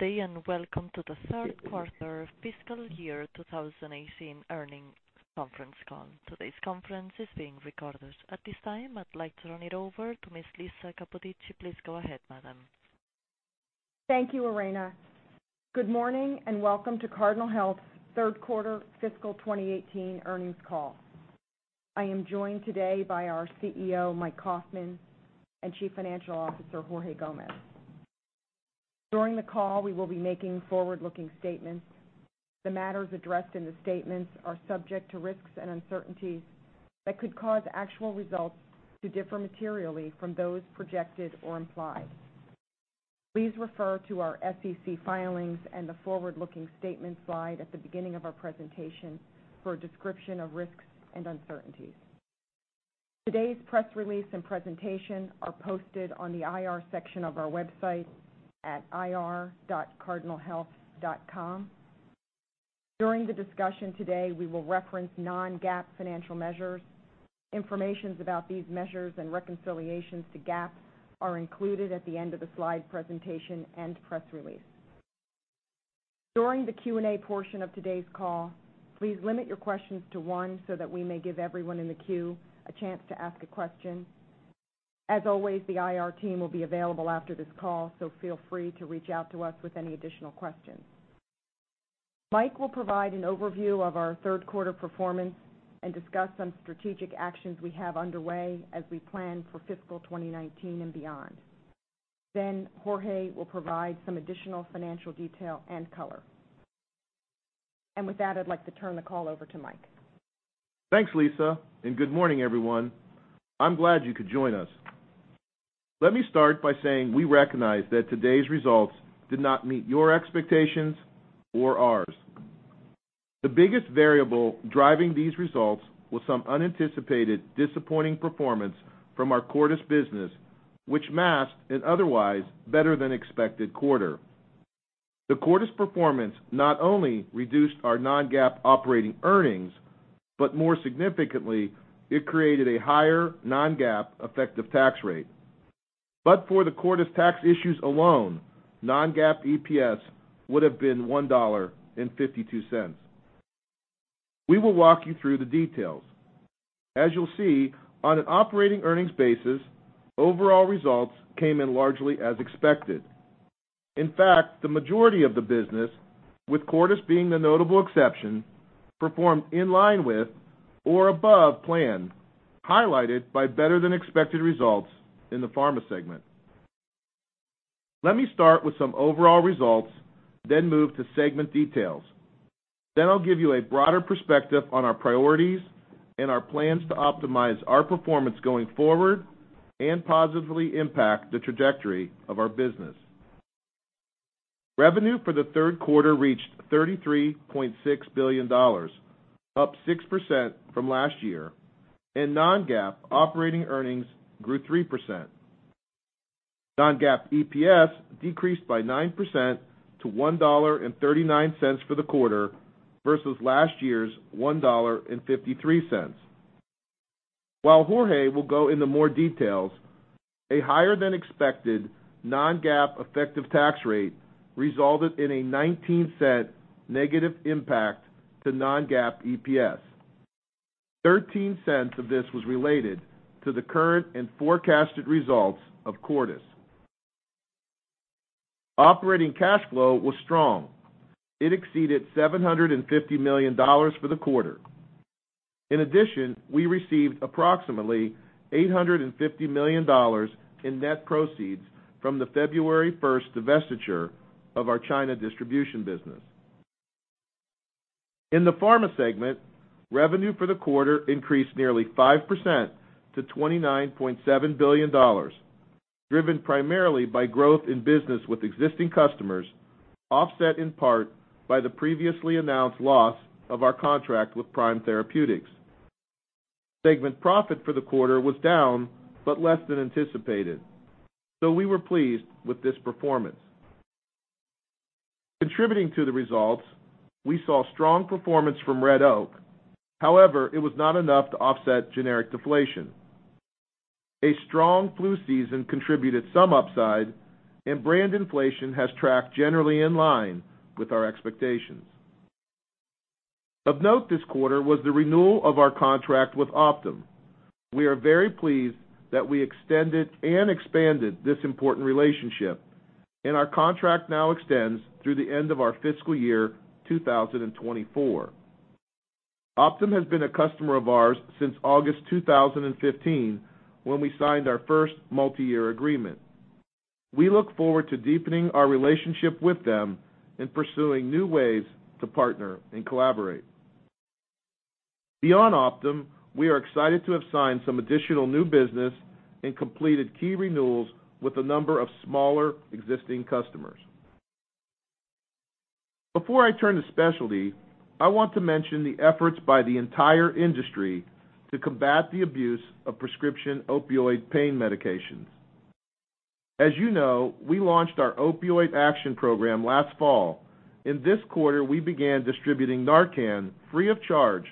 Good day, and welcome to the third quarter fiscal year 2018 earnings conference call. Today's conference is being recorded. At this time, I'd like to turn it over to Ms. Lisa Capodici. Please go ahead, madam. Thank you, Irena. Good morning and welcome to Cardinal Health's third quarter fiscal 2018 earnings call. I am joined today by our CEO, Mike Kaufmann, and Chief Financial Officer, Jorge Gomez. During the call, we will be making forward-looking statements. The matters addressed in the statements are subject to risks and uncertainties that could cause actual results to differ materially from those projected or implied. Please refer to our SEC filings and the forward-looking statement slide at the beginning of our presentation for a description of risks and uncertainties. Today's press release and presentation are posted on the IR section of our website at ir.cardinalhealth.com. During the discussion today, we will reference non-GAAP financial measures. Information about these measures and reconciliations to GAAP are included at the end of the slide presentation and press release. During the Q&A portion of today's call, please limit your questions to one so that we may give everyone in the queue a chance to ask a question. As always, the IR team will be available after this call, so feel free to reach out to us with any additional questions. Mike will provide an overview of our third quarter performance and discuss some strategic actions we have underway as we plan for fiscal 2019 and beyond. Jorge will provide some additional financial detail and color. With that, I'd like to turn the call over to Mike. Thanks, Lisa. Good morning, everyone. I'm glad you could join us. Let me start by saying we recognize that today's results did not meet your expectations or ours. The biggest variable driving these results was some unanticipated, disappointing performance from our Cordis business, which masked an otherwise better-than-expected quarter. The Cordis performance not only reduced our non-GAAP operating earnings, but more significantly, it created a higher non-GAAP effective tax rate. For the Cordis tax issues alone, non-GAAP EPS would have been $1.52. We will walk you through the details. As you'll see, on an operating earnings basis, overall results came in largely as expected. In fact, the majority of the business, with Cordis being the notable exception, performed in line with or above plan, highlighted by better-than-expected results in the pharma segment. Let me start with some overall results, move to segment details. I'll give you a broader perspective on our priorities and our plans to optimize our performance going forward and positively impact the trajectory of our business. Revenue for the third quarter reached $33.6 billion, up 6% from last year, and non-GAAP operating earnings grew 3%. Non-GAAP EPS decreased by 9% to $1.39 for the quarter versus last year's $1.53. While Jorge will go into more details, a higher-than-expected non-GAAP effective tax rate resulted in a $0.19 negative impact to non-GAAP EPS. $0.13 of this was related to the current and forecasted results of Cordis. Operating cash flow was strong. It exceeded $750 million for the quarter. In addition, we received approximately $850 million in net proceeds from the February 1st divestiture of our China distribution business. In the pharma segment, revenue for the quarter increased nearly 5% to $29.7 billion, driven primarily by growth in business with existing customers, offset in part by the previously announced loss of our contract with Prime Therapeutics. Segment profit for the quarter was down, but less than anticipated. We were pleased with this performance. Contributing to the results, we saw strong performance from Red Oak. However, it was not enough to offset generic deflation. A strong flu season contributed some upside, and brand inflation has tracked generally in line with our expectations. Of note this quarter was the renewal of our contract with Optum. We are very pleased that we extended and expanded this important relationship. Our contract now extends through the end of our fiscal year 2024. Optum has been a customer of ours since August 2015, when we signed our first multi-year agreement. We look forward to deepening our relationship with them and pursuing new ways to partner and collaborate. Beyond Optum, we are excited to have signed some additional new business and completed key renewals with a number of smaller existing customers. Before I turn to Specialty, I want to mention the efforts by the entire industry to combat the abuse of prescription opioid pain medications. As you know, we launched our Opioid Action Program last fall. In this quarter, we began distributing NARCAN free of charge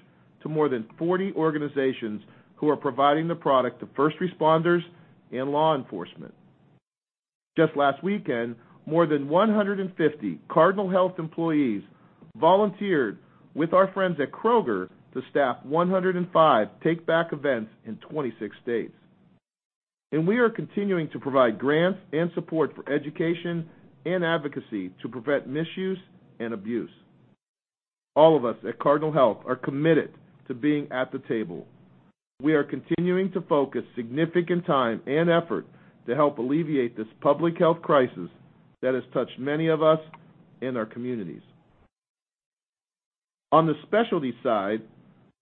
to more than 40 organizations who are providing the product to first responders in law enforcement. Just last weekend, more than 150 Cardinal Health employees volunteered with our friends at Kroger to staff 105 Take Back events in 26 states. We are continuing to provide grants and support for education and advocacy to prevent misuse and abuse. All of us at Cardinal Health are committed to being at the table. We are continuing to focus significant time and effort to help alleviate this public health crisis that has touched many of us in our communities. On the Specialty side,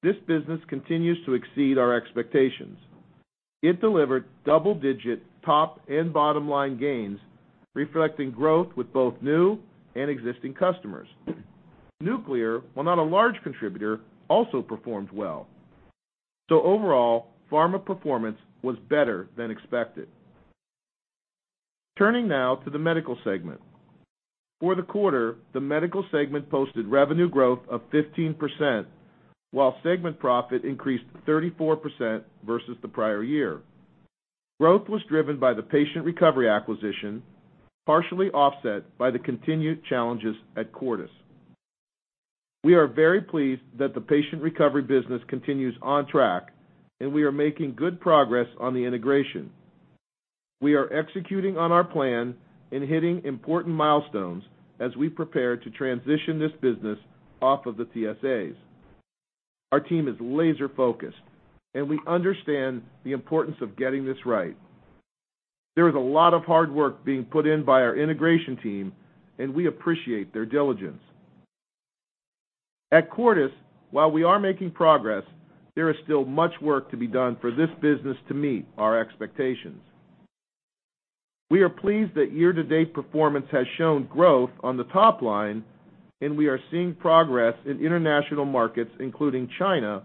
this business continues to exceed our expectations. It delivered double-digit top and bottom-line gains, reflecting growth with both new and existing customers. Nuclear, while not a large contributor, also performed well. Overall, pharma performance was better than expected. Turning now to the medical segment. For the quarter, the medical segment posted revenue growth of 15%, while segment profit increased 34% versus the prior year. Growth was driven by the Patient Recovery acquisition, partially offset by the continued challenges at Cordis. We are very pleased that the Patient Recovery business continues on track, and we are making good progress on the integration. We are executing on our plan and hitting important milestones as we prepare to transition this business off of the TSAs. Our team is laser-focused, and we understand the importance of getting this right. There is a lot of hard work being put in by our integration team, and we appreciate their diligence. At Cordis, while we are making progress, there is still much work to be done for this business to meet our expectations. We are pleased that year-to-date performance has shown growth on the top line, and we are seeing progress in international markets, including China,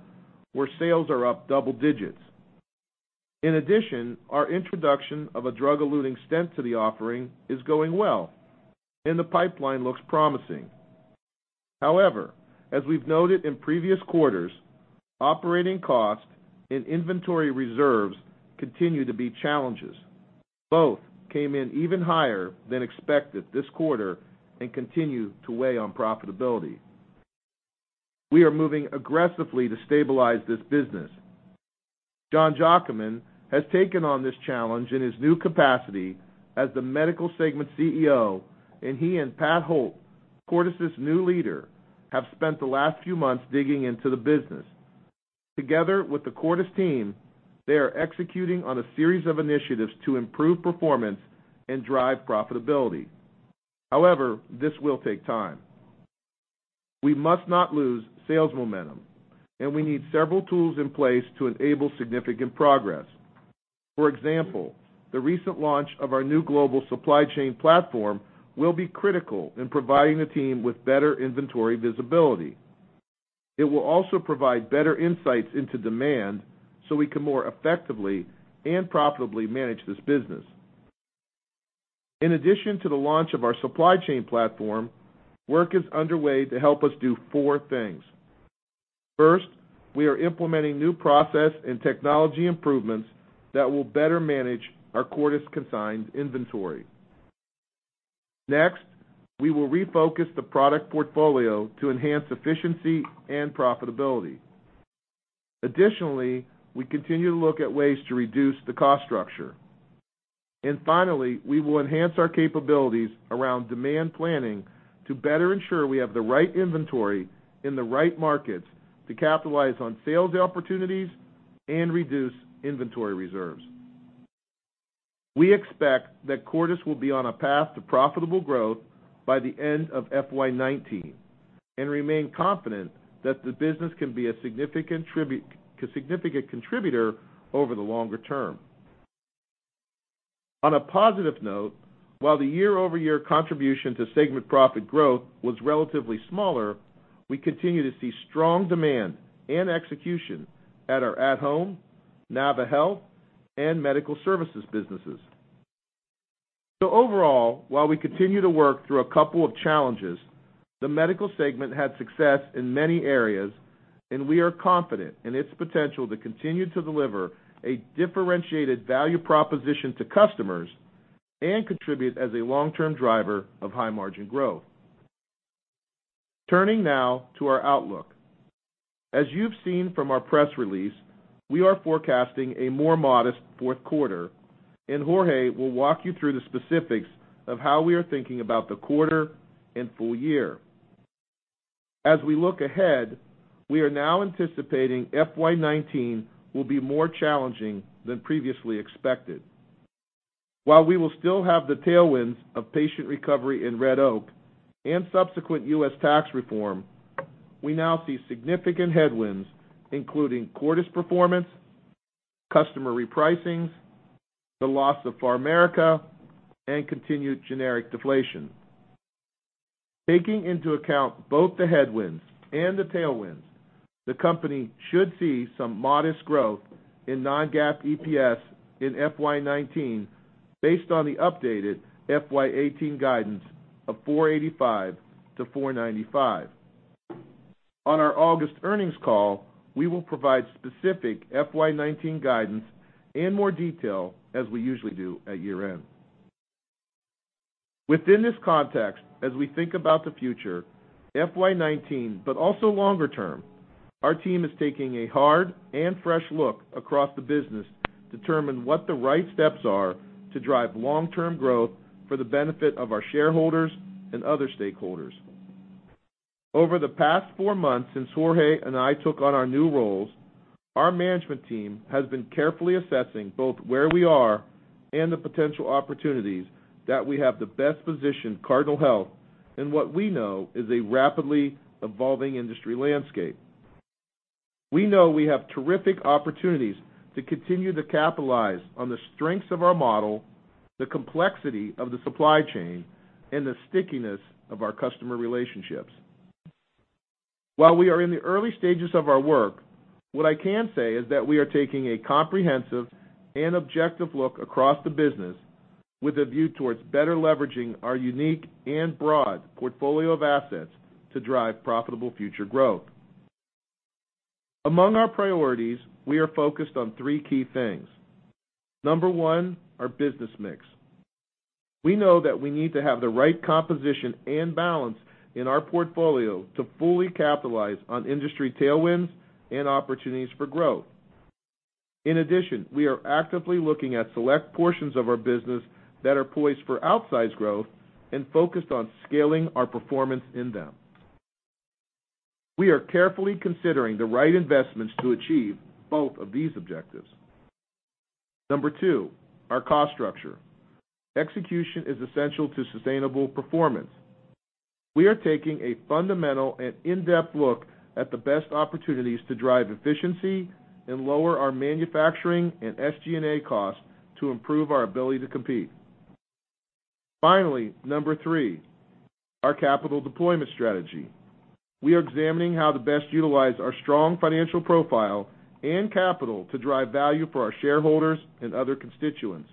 where sales are up double digits. In addition, our introduction of a drug-eluting stent to the offering is going well, and the pipeline looks promising. However, as we've noted in previous quarters, operating costs and inventory reserves continue to be challenges. Both came in even higher than expected this quarter and continue to weigh on profitability. We are moving aggressively to stabilize this business. John Jacquemin has taken on this challenge in his new capacity as the medical segment CEO, and he and Pat Holt, Cordis' new leader, have spent the last few months digging into the business. Together with the Cordis team, they are executing on a series of initiatives to improve performance and drive profitability. However, this will take time. We must not lose sales momentum, and we need several tools in place to enable significant progress. For example, the recent launch of our new global supply chain platform will be critical in providing the team with better inventory visibility. It will also provide better insights into demand so we can more effectively and profitably manage this business. In addition to the launch of our supply chain platform, work is underway to help us do four things. First, we are implementing new process and technology improvements that will better manage our Cordis consigned inventory. Next, we will refocus the product portfolio to enhance efficiency and profitability. Additionally, we continue to look at ways to reduce the cost structure. Finally, we will enhance our capabilities around demand planning to better ensure we have the right inventory in the right markets to capitalize on sales opportunities and reduce inventory reserves. We expect that Cordis will be on a path to profitable growth by the end of FY 19 and remain confident that the business can be a significant contributor over the longer term. On a positive note, while the year-over-year contribution to segment profit growth was relatively smaller, we continue to see strong demand and execution at our At Home, naviHealth, and medical services businesses. Overall, while we continue to work through a couple of challenges, the medical segment had success in many areas, and we are confident in its potential to continue to deliver a differentiated value proposition to customers and contribute as a long-term driver of high-margin growth. Turning now to our outlook. As you've seen from our press release, we are forecasting a more modest fourth quarter, and Jorge will walk you through the specifics of how we are thinking about the quarter and full year. As we look ahead, we are now anticipating FY 19 will be more challenging than previously expected. While we will still have the tailwinds of Patient Recovery and Red Oak and subsequent U.S. tax reform, we now see significant headwinds, including Cordis performance, customer repricings, the loss of PharMerica, and continued generic deflation. Taking into account both the headwinds and the tailwinds, the company should see some modest growth in non-GAAP EPS in FY 2019 based on the updated FY 2018 guidance of $4.85-$4.95. On our August earnings call, we will provide specific FY 2019 guidance in more detail as we usually do at year-end. Within this context, as we think about the future, FY 2019, but also longer term, our team is taking a hard and fresh look across the business to determine what the right steps are to drive long-term growth for the benefit of our shareholders and other stakeholders. Over the past four months since Jorge and I took on our new roles, our management team has been carefully assessing both where we are and the potential opportunities that we have to best position Cardinal Health in what we know is a rapidly evolving industry landscape. We know we have terrific opportunities to continue to capitalize on the strengths of our model, the complexity of the supply chain, and the stickiness of our customer relationships. While we are in the early stages of our work, what I can say is that we are taking a comprehensive and objective look across the business with a view towards better leveraging our unique and broad portfolio of assets to drive profitable future growth. Among our priorities, we are focused on three key things. Number 1, our business mix. We know that we need to have the right composition and balance in our portfolio to fully capitalize on industry tailwinds and opportunities for growth. In addition, we are actively looking at select portions of our business that are poised for outsized growth, and focused on scaling our performance in them. We are carefully considering the right investments to achieve both of these objectives. Number 2, our cost structure. Execution is essential to sustainable performance. We are taking a fundamental and in-depth look at the best opportunities to drive efficiency and lower our manufacturing and SG&A costs to improve our ability to compete. Finally, Number 3, our capital deployment strategy. We are examining how to best utilize our strong financial profile and capital to drive value for our shareholders and other constituents.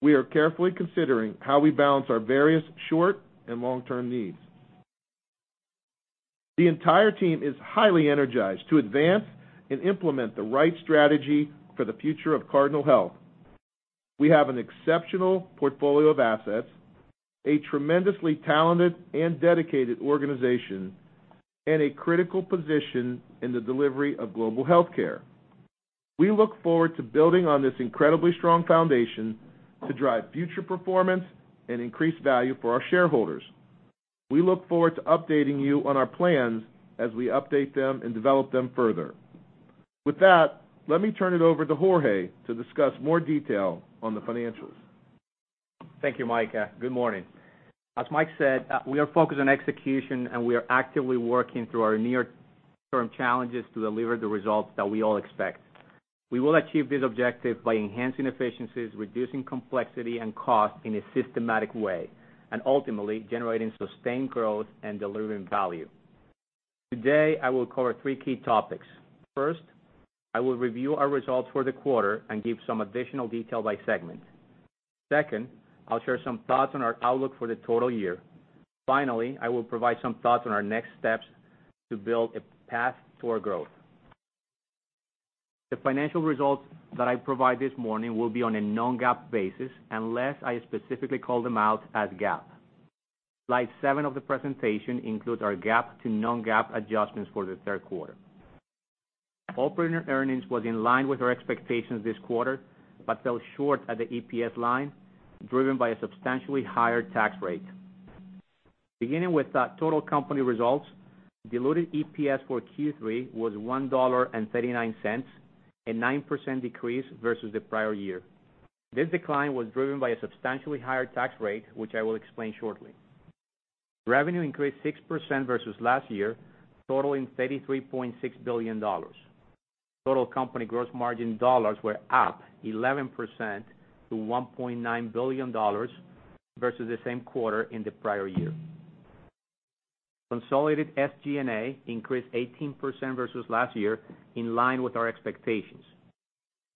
We are carefully considering how we balance our various short and long-term needs. The entire team is highly energized to advance and implement the right strategy for the future of Cardinal Health. We have an exceptional portfolio of assets, a tremendously talented and dedicated organization, and a critical position in the delivery of global healthcare. We look forward to building on this incredibly strong foundation to drive future performance and increase value for our shareholders. We look forward to updating you on our plans as we update them and develop them further. With that, let me turn it over to Jorge to discuss more detail on the financials. Thank you, Mike. Good morning. As Mike said, we are focused on execution, and we are actively working through our near-term challenges to deliver the results that we all expect. We will achieve this objective by enhancing efficiencies, reducing complexity and cost in a systematic way, and ultimately, generating sustained growth and delivering value. Today, I will cover three key topics. First, I will review our results for the quarter and give some additional detail by segment. Second, I'll share some thoughts on our outlook for the total year. Finally, I will provide some thoughts on our next steps to build a path toward growth. The financial results that I provide this morning will be on a non-GAAP basis unless I specifically call them out as GAAP. Slide seven of the presentation includes our GAAP to non-GAAP adjustments for the third quarter. Operating earnings was in line with our expectations this quarter, but fell short at the EPS line, driven by a substantially higher tax rate. Beginning with the total company results, diluted EPS for Q3 was $1.39, a 9% decrease versus the prior year. This decline was driven by a substantially higher tax rate, which I will explain shortly. Revenue increased 6% versus last year, totaling $33.6 billion. Total company gross margin dollars were up 11% to $1.9 billion versus the same quarter in the prior year. Consolidated SG&A increased 18% versus last year, in line with our expectations.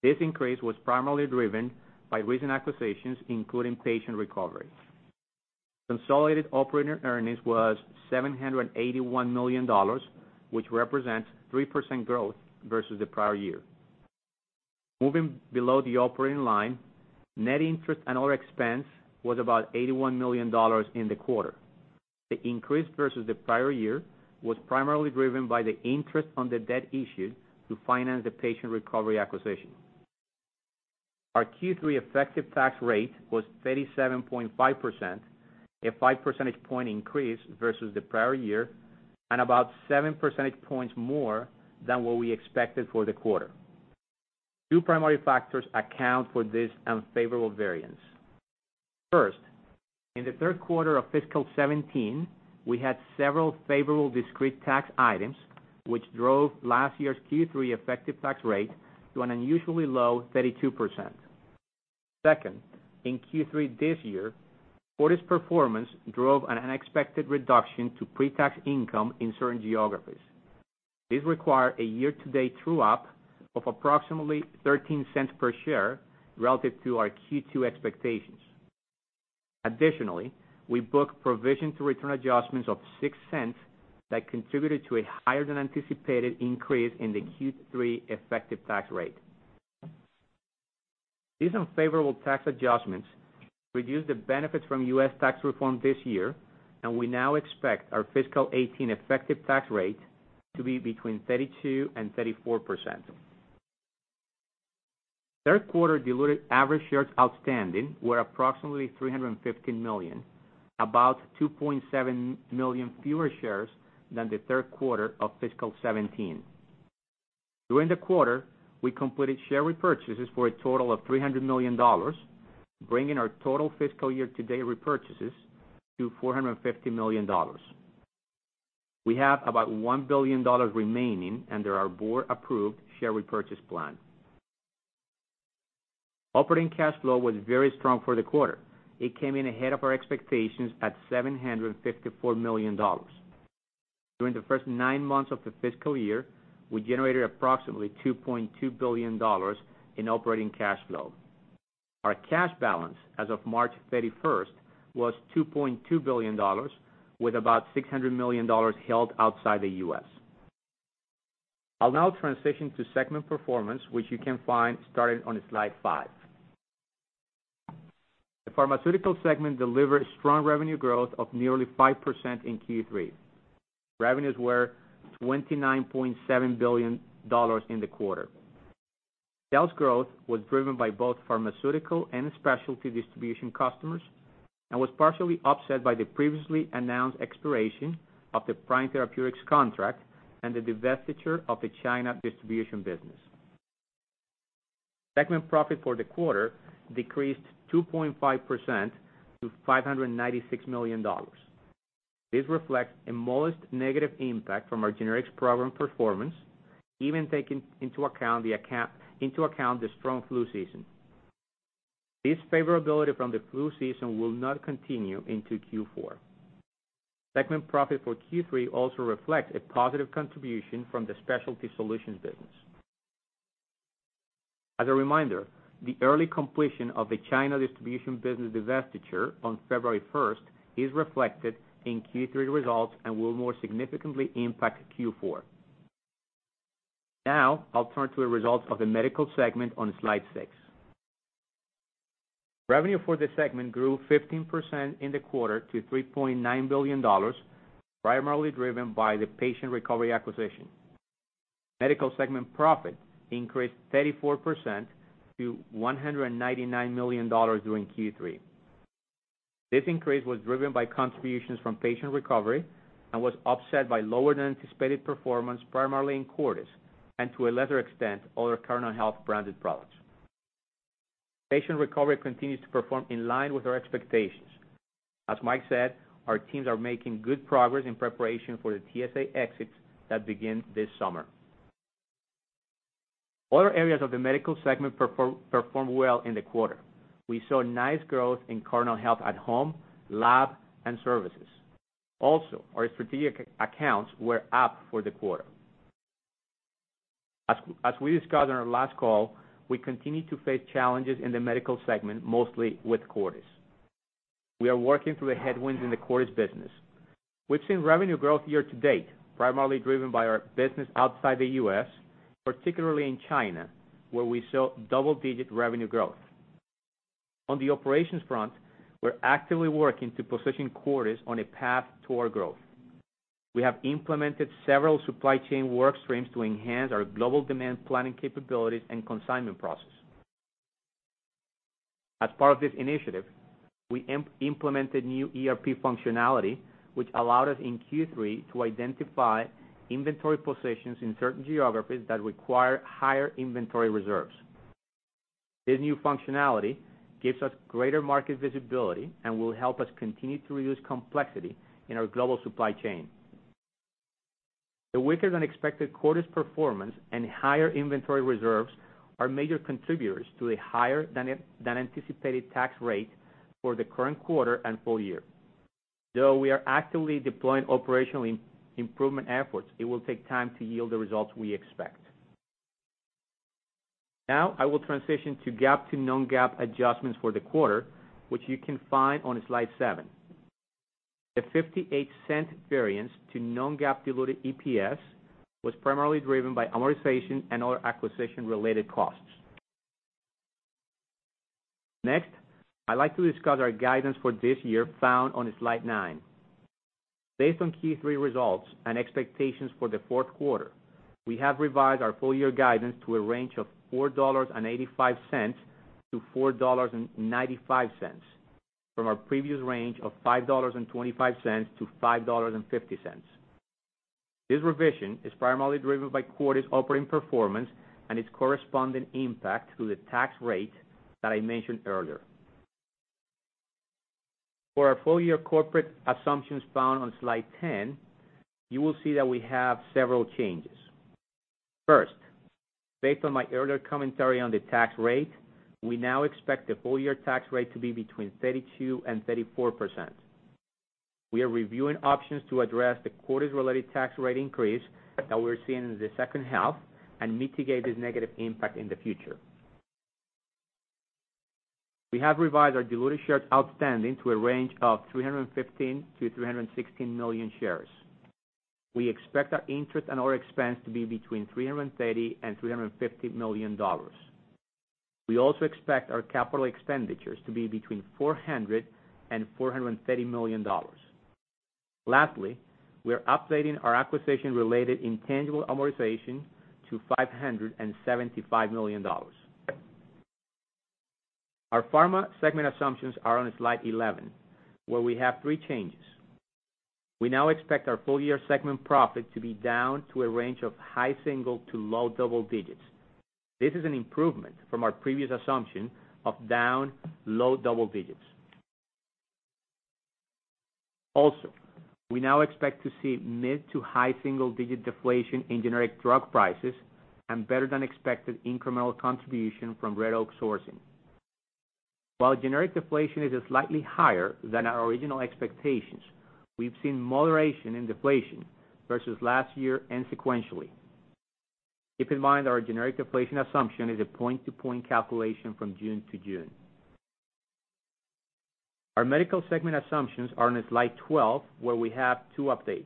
This increase was primarily driven by recent acquisitions, including Patient Recovery. Consolidated operating earnings was $781 million, which represents 3% growth versus the prior year. Moving below the operating line, net interest and other expense was about $81 million in the quarter. The increase versus the prior year was primarily driven by the interest on the debt issued to finance the Patient Recovery acquisition. Our Q3 effective tax rate was 37.5%, a five percentage point increase versus the prior year, and about seven percentage points more than what we expected for the quarter. Two primary factors account for this unfavorable variance. First, in the third quarter of fiscal 2017, we had several favorable discrete tax items, which drove last year's Q3 effective tax rate to an unusually low 32%. Second, in Q3 this year, Cordis performance drove an unexpected reduction to pre-tax income in certain geographies. These require a year-to-date true-up of approximately $0.13 per share relative to our Q2 expectations. Additionally, we booked provision to return adjustments of $0.06 that contributed to a higher than anticipated increase in the Q3 effective tax rate. These unfavorable tax adjustments reduced the benefits from U.S. tax reform this year, and we now expect our fiscal 2018 effective tax rate to be between 32%-34%. Third quarter diluted average shares outstanding were approximately 315 million, about 2.7 million fewer shares than the third quarter of fiscal 2017. During the quarter, we completed share repurchases for a total of $300 million, bringing our total fiscal year-to-date repurchases to $450 million. We have about $1 billion remaining under our board-approved share repurchase plan. Operating cash flow was very strong for the quarter. It came in ahead of our expectations at $754 million. During the first nine months of the fiscal year, we generated approximately $2.2 billion in operating cash flow. Our cash balance as of March 31st was $2.2 billion, with about $600 million held outside the U.S. I'll now transition to segment performance, which you can find starting on slide five. The pharmaceutical segment delivered strong revenue growth of nearly 5% in Q3. Revenues were $29.7 billion in the quarter. Sales growth was driven by both pharmaceutical and specialty distribution customers and was partially offset by the previously announced expiration of the Prime Therapeutics contract and the divestiture of the China distribution business. Segment profit for the quarter decreased 2.5% to $596 million. This reflects a modest negative impact from our generics program performance, even taking into account the strong flu season. This favorability from the flu season will not continue into Q4. Segment profit for Q3 also reflects a positive contribution from the Specialty Solutions business. As a reminder, the early completion of the China distribution business divestiture on February 1st is reflected in Q3 results and will more significantly impact Q4. I'll turn to the results of the medical segment on slide six. Revenue for this segment grew 15% in the quarter to $3.9 billion, primarily driven by the Patient Recovery acquisition. Medical segment profit increased 34% to $199 million during Q3. This increase was driven by contributions from Patient Recovery and was offset by lower than anticipated performance, primarily in Cordis, and to a lesser extent, other Cardinal Health branded products. Patient Recovery continues to perform in line with our expectations. As Mike said, our teams are making good progress in preparation for the TSA exits that begin this summer. Other areas of the medical segment performed well in the quarter. We saw nice growth in Cardinal Health at Home, lab, and services. Our strategic accounts were up for the quarter. As we discussed on our last call, we continue to face challenges in the medical segment, mostly with Cordis. We are working through the headwinds in the Cordis business. We've seen revenue growth year-to-date, primarily driven by our business outside the U.S., particularly in China, where we saw double-digit revenue growth. On the operations front, we're actively working to position Cordis on a path toward growth. We have implemented several supply chain work streams to enhance our global demand planning capabilities and consignment process. As part of this initiative, we implemented new ERP functionality, which allowed us in Q3 to identify inventory positions in certain geographies that require higher inventory reserves. This new functionality gives us greater market visibility and will help us continue to reduce complexity in our global supply chain. The weaker than expected Cordis performance and higher inventory reserves are major contributors to a higher than anticipated tax rate for the current quarter and full year. Though we are actively deploying operational improvement efforts, it will take time to yield the results we expect. I will transition to GAAP to non-GAAP adjustments for the quarter, which you can find on slide seven. The $0.58 variance to non-GAAP diluted EPS was primarily driven by amortization and other acquisition-related costs. I'd like to discuss our guidance for this year, found on slide nine. Based on Q3 results and expectations for the fourth quarter, we have revised our full year guidance to a range of $4.85-$4.95, from our previous range of $5.25-$5.50. This revision is primarily driven by Cordis operating performance and its corresponding impact to the tax rate that I mentioned earlier. For our full-year corporate assumptions found on slide 10, you will see that we have several changes. First, based on my earlier commentary on the tax rate, we now expect the full-year tax rate to be between 32% and 34%. We are reviewing options to address the Cordis-related tax rate increase that we are seeing in the second half and mitigate this negative impact in the future. We have revised our diluted shares outstanding to a range of 315 million-316 million shares. We expect our interest and other expense to be between $330 million and $350 million. We also expect our capital expenditures to be between $400 million and $430 million. Lastly, we are updating our acquisition-related intangible amortization to $575 million. Our pharma segment assumptions are on slide 11, where we have three changes. We now expect our full-year segment profit to be down to a range of high single to low double digits. This is an improvement from our previous assumption of down low double digits. Also, we now expect to see mid to high single-digit deflation in generic drug prices and better-than-expected incremental contribution from Red Oak Sourcing. While generic deflation is slightly higher than our original expectations, we've seen moderation in deflation versus last year and sequentially. Keep in mind our generic deflation assumption is a point-to-point calculation from June to June. Our medical segment assumptions are on slide 12, where we have two updates.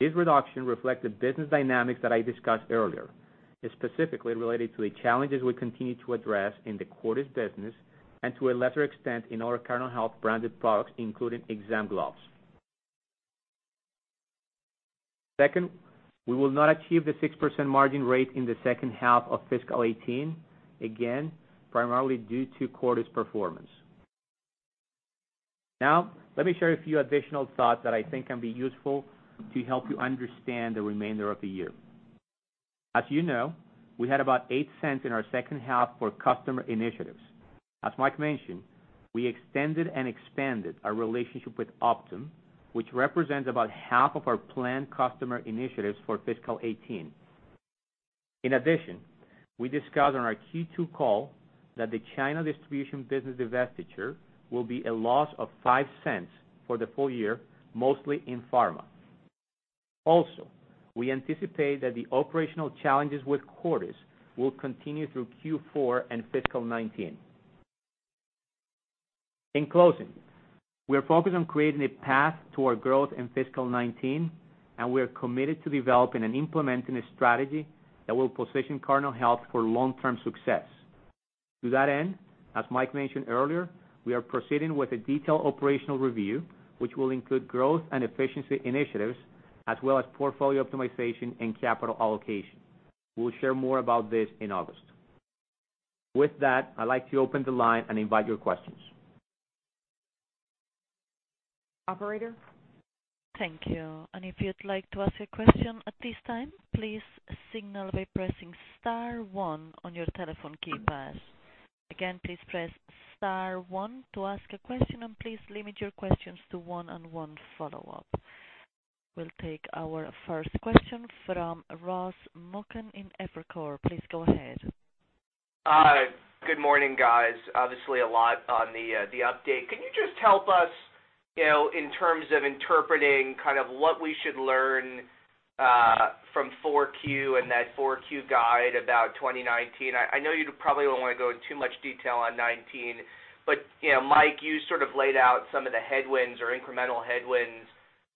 This reduction reflects the business dynamics that I discussed earlier, specifically related to the challenges we continue to address in the Cordis business and to a lesser extent, in our Cardinal Health branded products, including exam gloves. Second, we will not achieve the 6% margin rate in the second half of FY 2018, again, primarily due to Cordis performance. Now, let me share a few additional thoughts that I think can be useful to help you understand the remainder of the year. As you know, we had about $0.08 in our second half for customer initiatives. As Mike mentioned, we extended and expanded our relationship with Optum, which represents about half of our planned customer initiatives for FY 2018. In addition, we discussed on our Q2 call that the China distribution business divestiture will be a loss of $0.05 for the full year, mostly in pharma. Also, we anticipate that the operational challenges with Cordis will continue through Q4 and FY 2019. In closing, we are focused on creating a path toward growth in FY 2019, and we are committed to developing and implementing a strategy that will position Cardinal Health for long-term success. To that end, as Mike mentioned earlier, we are proceeding with a detailed operational review, which will include growth and efficiency initiatives, as well as portfolio optimization and capital allocation. We'll share more about this in August. With that, I'd like to open the line and invite your questions. Operator? Thank you. If you'd like to ask a question at this time, please signal by pressing star one on your telephone keypads. Again, please press star one to ask a question, and please limit your questions to one and one follow-up. We'll take our first question from Ross Muken in Evercore. Please go ahead. Hi. Good morning, guys. Obviously, a lot on the update. Can you just help us, in terms of interpreting what we should learn from 4Q and that 4Q guide about 2019? I know you probably don't want to go in too much detail on 2019, Mike, you laid out some of the headwinds or incremental headwinds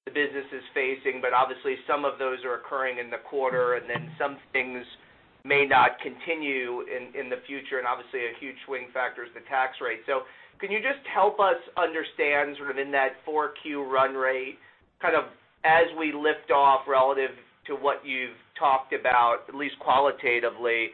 the business is facing, obviously some of those are occurring in the quarter, some things may not continue in the future, obviously a huge swing factor is the tax rate. Can you just help us understand in that 4Q run rate, as we lift off relative to what you've talked about, at least qualitatively,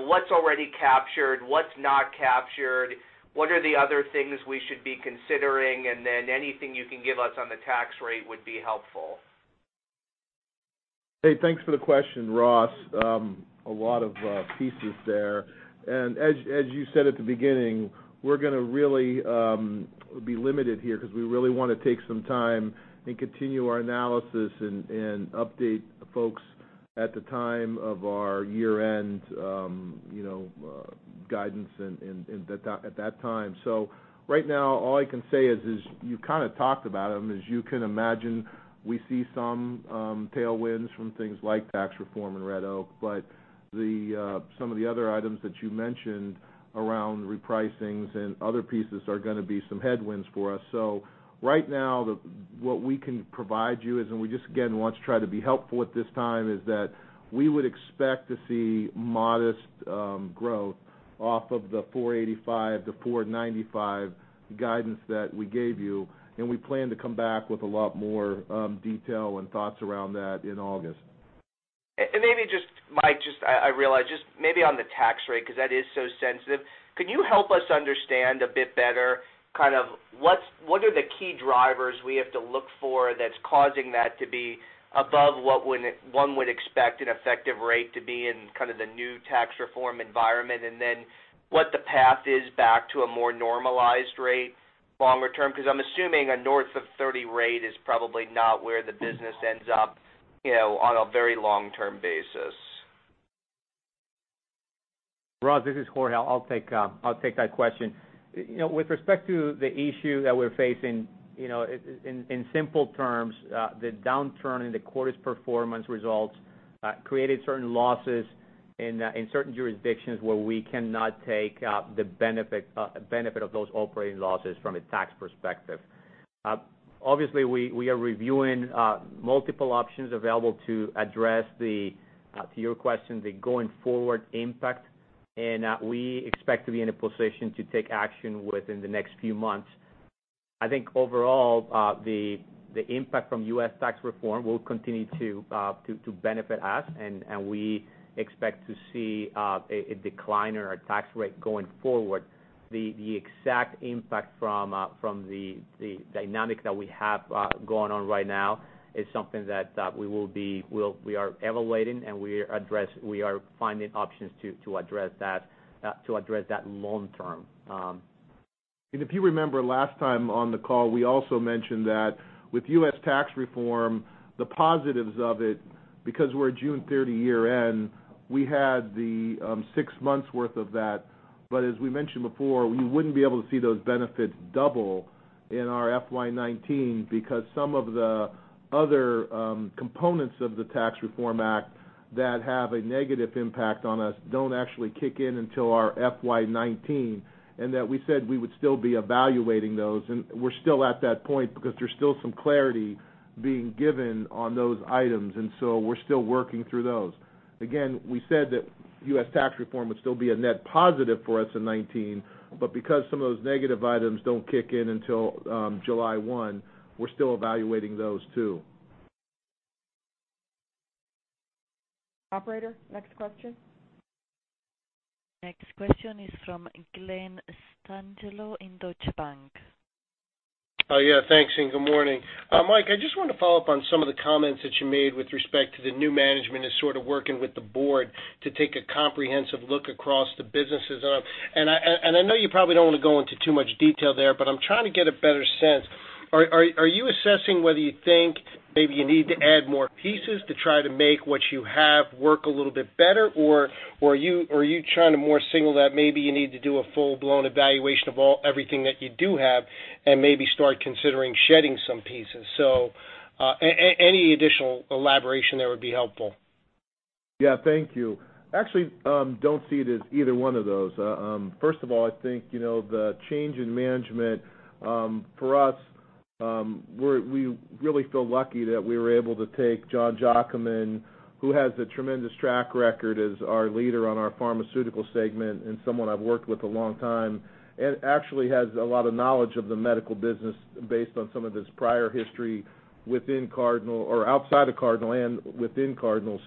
what's already captured, what's not captured? What are the other things we should be considering, anything you can give us on the tax rate would be helpful. Hey, thanks for the question, Ross. A lot of pieces there. As you said at the beginning, we're going to really be limited here because we really want to take some time and continue our analysis and update folks at the time of our year-end guidance at that time. Right now, all I can say is, you kind of talked about them, as you can imagine, we see some tailwinds from things like tax reform and Red Oak, some of the other items that you mentioned around repricings and other pieces are going to be some headwinds for us. Right now, what we can provide you is, we just, again, want to try to be helpful at this time, is that we would expect to see modest growth off of the $4.85-$4.95 guidance that we gave you, we plan to come back with a lot more detail and thoughts around that in August. Maybe just, Mike Kaufmann, I realize, just maybe on the tax rate, because that is so sensitive, can you help us understand a bit better what are the key drivers we have to look for that's causing that to be above what one would expect an effective rate to be in the new tax reform environment, and then what the path is back to a more normalized rate? Longer term, because I'm assuming a north of 30% rate is probably not where the business ends up on a very long-term basis. Ross Muken, this is Jorge Gomez. I'll take that question. With respect to the issue that we're facing, in simple terms, the downturn in the Cordis performance results, created certain losses in certain jurisdictions where we cannot take the benefit of those operating losses from a tax perspective. Obviously, we are reviewing multiple options available to address the, to your question, the going forward impact, and we expect to be in a position to take action within the next few months. I think overall, the impact from U.S. tax reform will continue to benefit us, and we expect to see a decline in our tax rate going forward. The exact impact from the dynamic that we have going on right now is something that we are evaluating, and we are finding options to address that long term. If you remember last time on the call, we also mentioned that with U.S. tax reform, the positives of it, because we're a June 30 year-end, we had the six months worth of that. As we mentioned before, we wouldn't be able to see those benefits double in our FY 2019 because some of the other components of the Tax Cuts and Jobs Act of 2017 that have a negative impact on us don't actually kick in until our FY 2019, and that we said we would still be evaluating those, and we're still at that point because there's still some clarity being given on those items. We're still working through those. Again, we said that U.S. tax reform would still be a net positive for us in 2019, but because some of those negative items don't kick in until July 1, we're still evaluating those, too. Operator, next question. Next question is from Glen Santangelo in Deutsche Bank. Yeah, thanks, and good morning. Mike, I just want to follow up on some of the comments that you made with respect to the new management is sort of working with the board to take a comprehensive look across the businesses. I know you probably don't want to go into too much detail there, but I'm trying to get a better sense. Are you assessing whether you think maybe you need to add more pieces to try to make what you have work a little bit better? Or are you trying to more signal that maybe you need to do a full-blown evaluation of everything that you do have and maybe start considering shedding some pieces? Any additional elaboration there would be helpful. Yeah. Thank you. Actually, don't see it as either one of those. First of all, I think, the change in management, for us, we really feel lucky that we were able to take John Jacquemin, who has a tremendous track record as our leader on our pharmaceutical segment and someone I've worked with a long time, and actually has a lot of knowledge of the medical business based on some of his prior history outside of Cardinal and within Cardinal.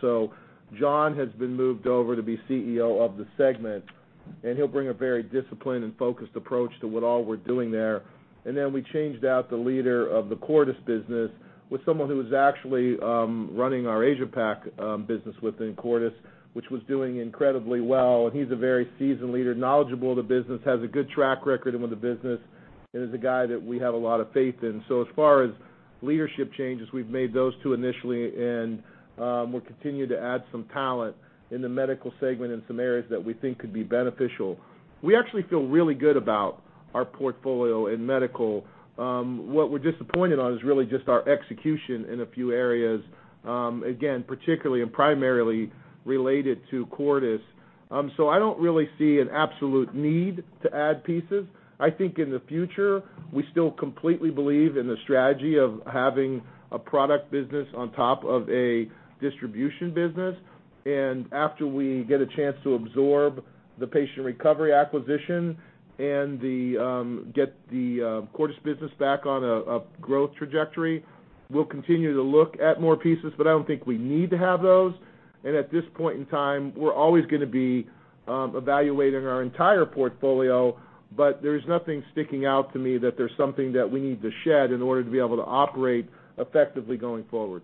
John has been moved over to be CEO of the segment, and he'll bring a very disciplined and focused approach to what all we're doing there. Then we changed out the leader of the Cordis business with someone who was actually running our Asia Pac business within Cordis, which was doing incredibly well. He's a very seasoned leader, knowledgeable of the business, has a good track record within the business, and is a guy that we have a lot of faith in. As far as leadership changes, we've made those two initially, and we'll continue to add some talent in the medical segment in some areas that we think could be beneficial. We actually feel really good about our portfolio in medical. What we're disappointed on is really just our execution in a few areas, again, particularly and primarily related to Cordis. I don't really see an absolute need to add pieces. I think in the future, we still completely believe in the strategy of having a product business on top of a distribution business. After we get a chance to absorb the Patient Recovery acquisition and get the Cordis business back on a growth trajectory, we'll continue to look at more pieces, but I don't think we need to have those. At this point in time, we're always going to be evaluating our entire portfolio, but there's nothing sticking out to me that there's something that we need to shed in order to be able to operate effectively going forward.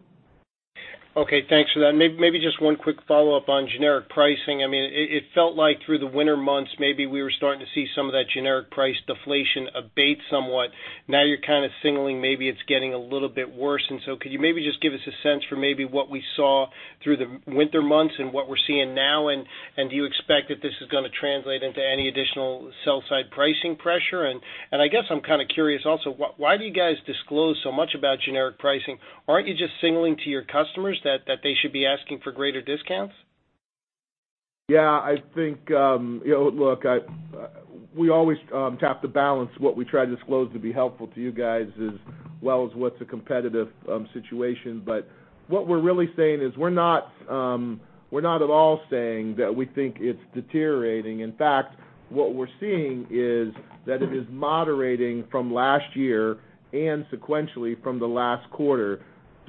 Okay. Thanks for that. Maybe just one quick follow-up on generic pricing. It felt like through the winter months, maybe we were starting to see some of that generic price deflation abate somewhat. Now you're kind of signaling maybe it's getting a little bit worse, so could you maybe just give us a sense for maybe what we saw through the winter months and what we're seeing now, do you expect that this is going to translate into any additional sell-side pricing pressure? I guess I'm kind of curious also, why do you guys disclose so much about generic pricing? Aren't you just signaling to your customers that they should be asking for greater discounts? Yeah. Look, we always have to balance what we try to disclose to be helpful to you guys as well as what's a competitive situation. What we're really saying is we're not at all saying that we think it's deteriorating. In fact, what we're seeing is that it is moderating from last year and sequentially from the last quarter.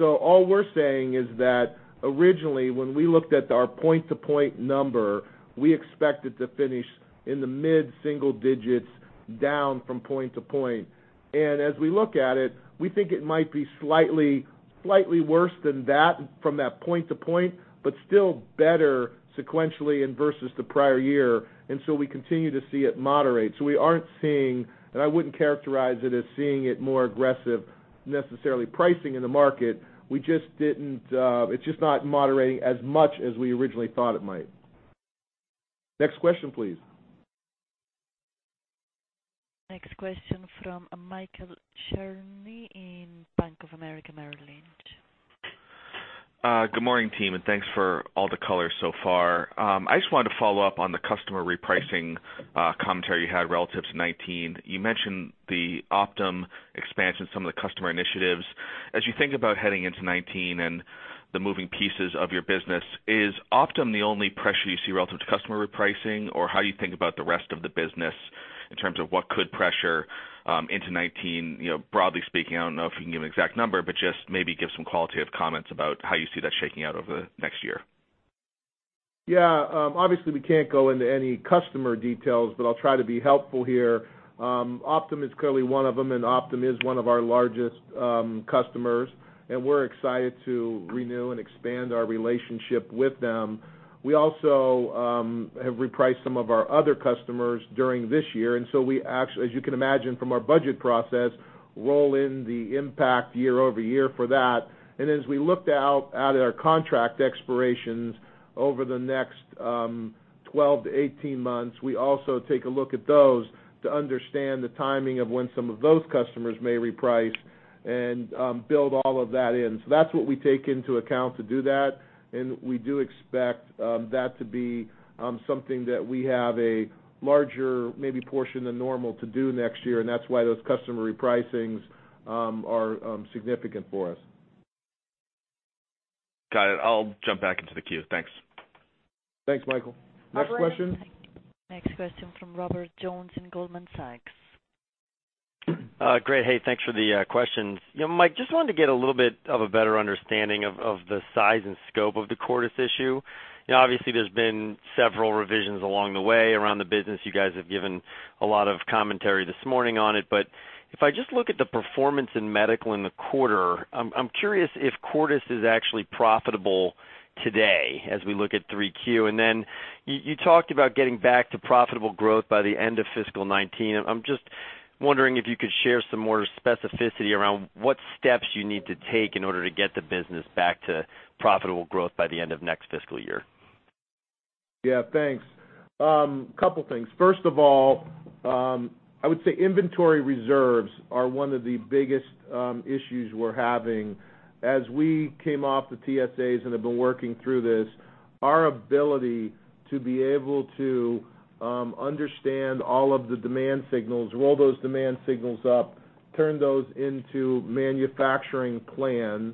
All we're saying is that originally, when we looked at our point-to-point number, we expected to finish in the mid-single digits down from point to point. As we look at it, we think it might be slightly worse than that from that point to point, but still better sequentially and versus the prior year. We continue to see it moderate. We aren't seeing, and I wouldn't characterize it as seeing it more aggressive, necessarily pricing in the market. It's just not moderating as much as we originally thought it might. Next question, please. Next question from Michael Cherny in Bank of America Merrill Lynch. Good morning, team. Thanks for all the color so far. I just wanted to follow up on the customer repricing commentary you had relative to 2019. You mentioned the Optum expansion, some of the customer initiatives. As you think about heading into 2019 and the moving pieces of your business, is Optum the only pressure you see relative to customer repricing? Or how do you think about the rest of the business in terms of what could pressure into 2019, broadly speaking? I don't know if you can give an exact number, but just maybe give some qualitative comments about how you see that shaking out over the next year. Yeah. Obviously, we can't go into any customer details, but I'll try to be helpful here. Optum is clearly one of them, and Optum is one of our largest customers, and we're excited to renew and expand our relationship with them. We also have repriced some of our other customers during this year. So we, as you can imagine from our budget process, roll in the impact year-over-year for that. As we looked out at our contract expirations over the next 12-18 months, we also take a look at those to understand the timing of when some of those customers may reprice and build all of that in. That's what we take into account to do that, and we do expect that to be something that we have a larger, maybe portion than normal to do next year, and that's why those customer repricings are significant for us. Got it. I'll jump back into the queue. Thanks. Thanks, Michael. Next question? Next question from Robert Jones in Goldman Sachs. Great. Hey, thanks for the questions. Mike, just wanted to get a little bit of a better understanding of the size and scope of the Cordis issue. Obviously, there's been several revisions along the way around the business. You guys have given a lot of commentary this morning on it. If I just look at the performance in medical in the quarter, I'm curious if Cordis is actually profitable today as we look at 3Q. You talked about getting back to profitable growth by the end of FY 2019. I'm just wondering if you could share some more specificity around what steps you need to take in order to get the business back to profitable growth by the end of next fiscal year. Yeah, thanks. Couple things. First of all, I would say inventory reserves are one of the biggest issues we're having. As we came off the TSAs and have been working through this, our ability to be able to understand all of the demand signals, roll those demand signals up, turn those into manufacturing plans,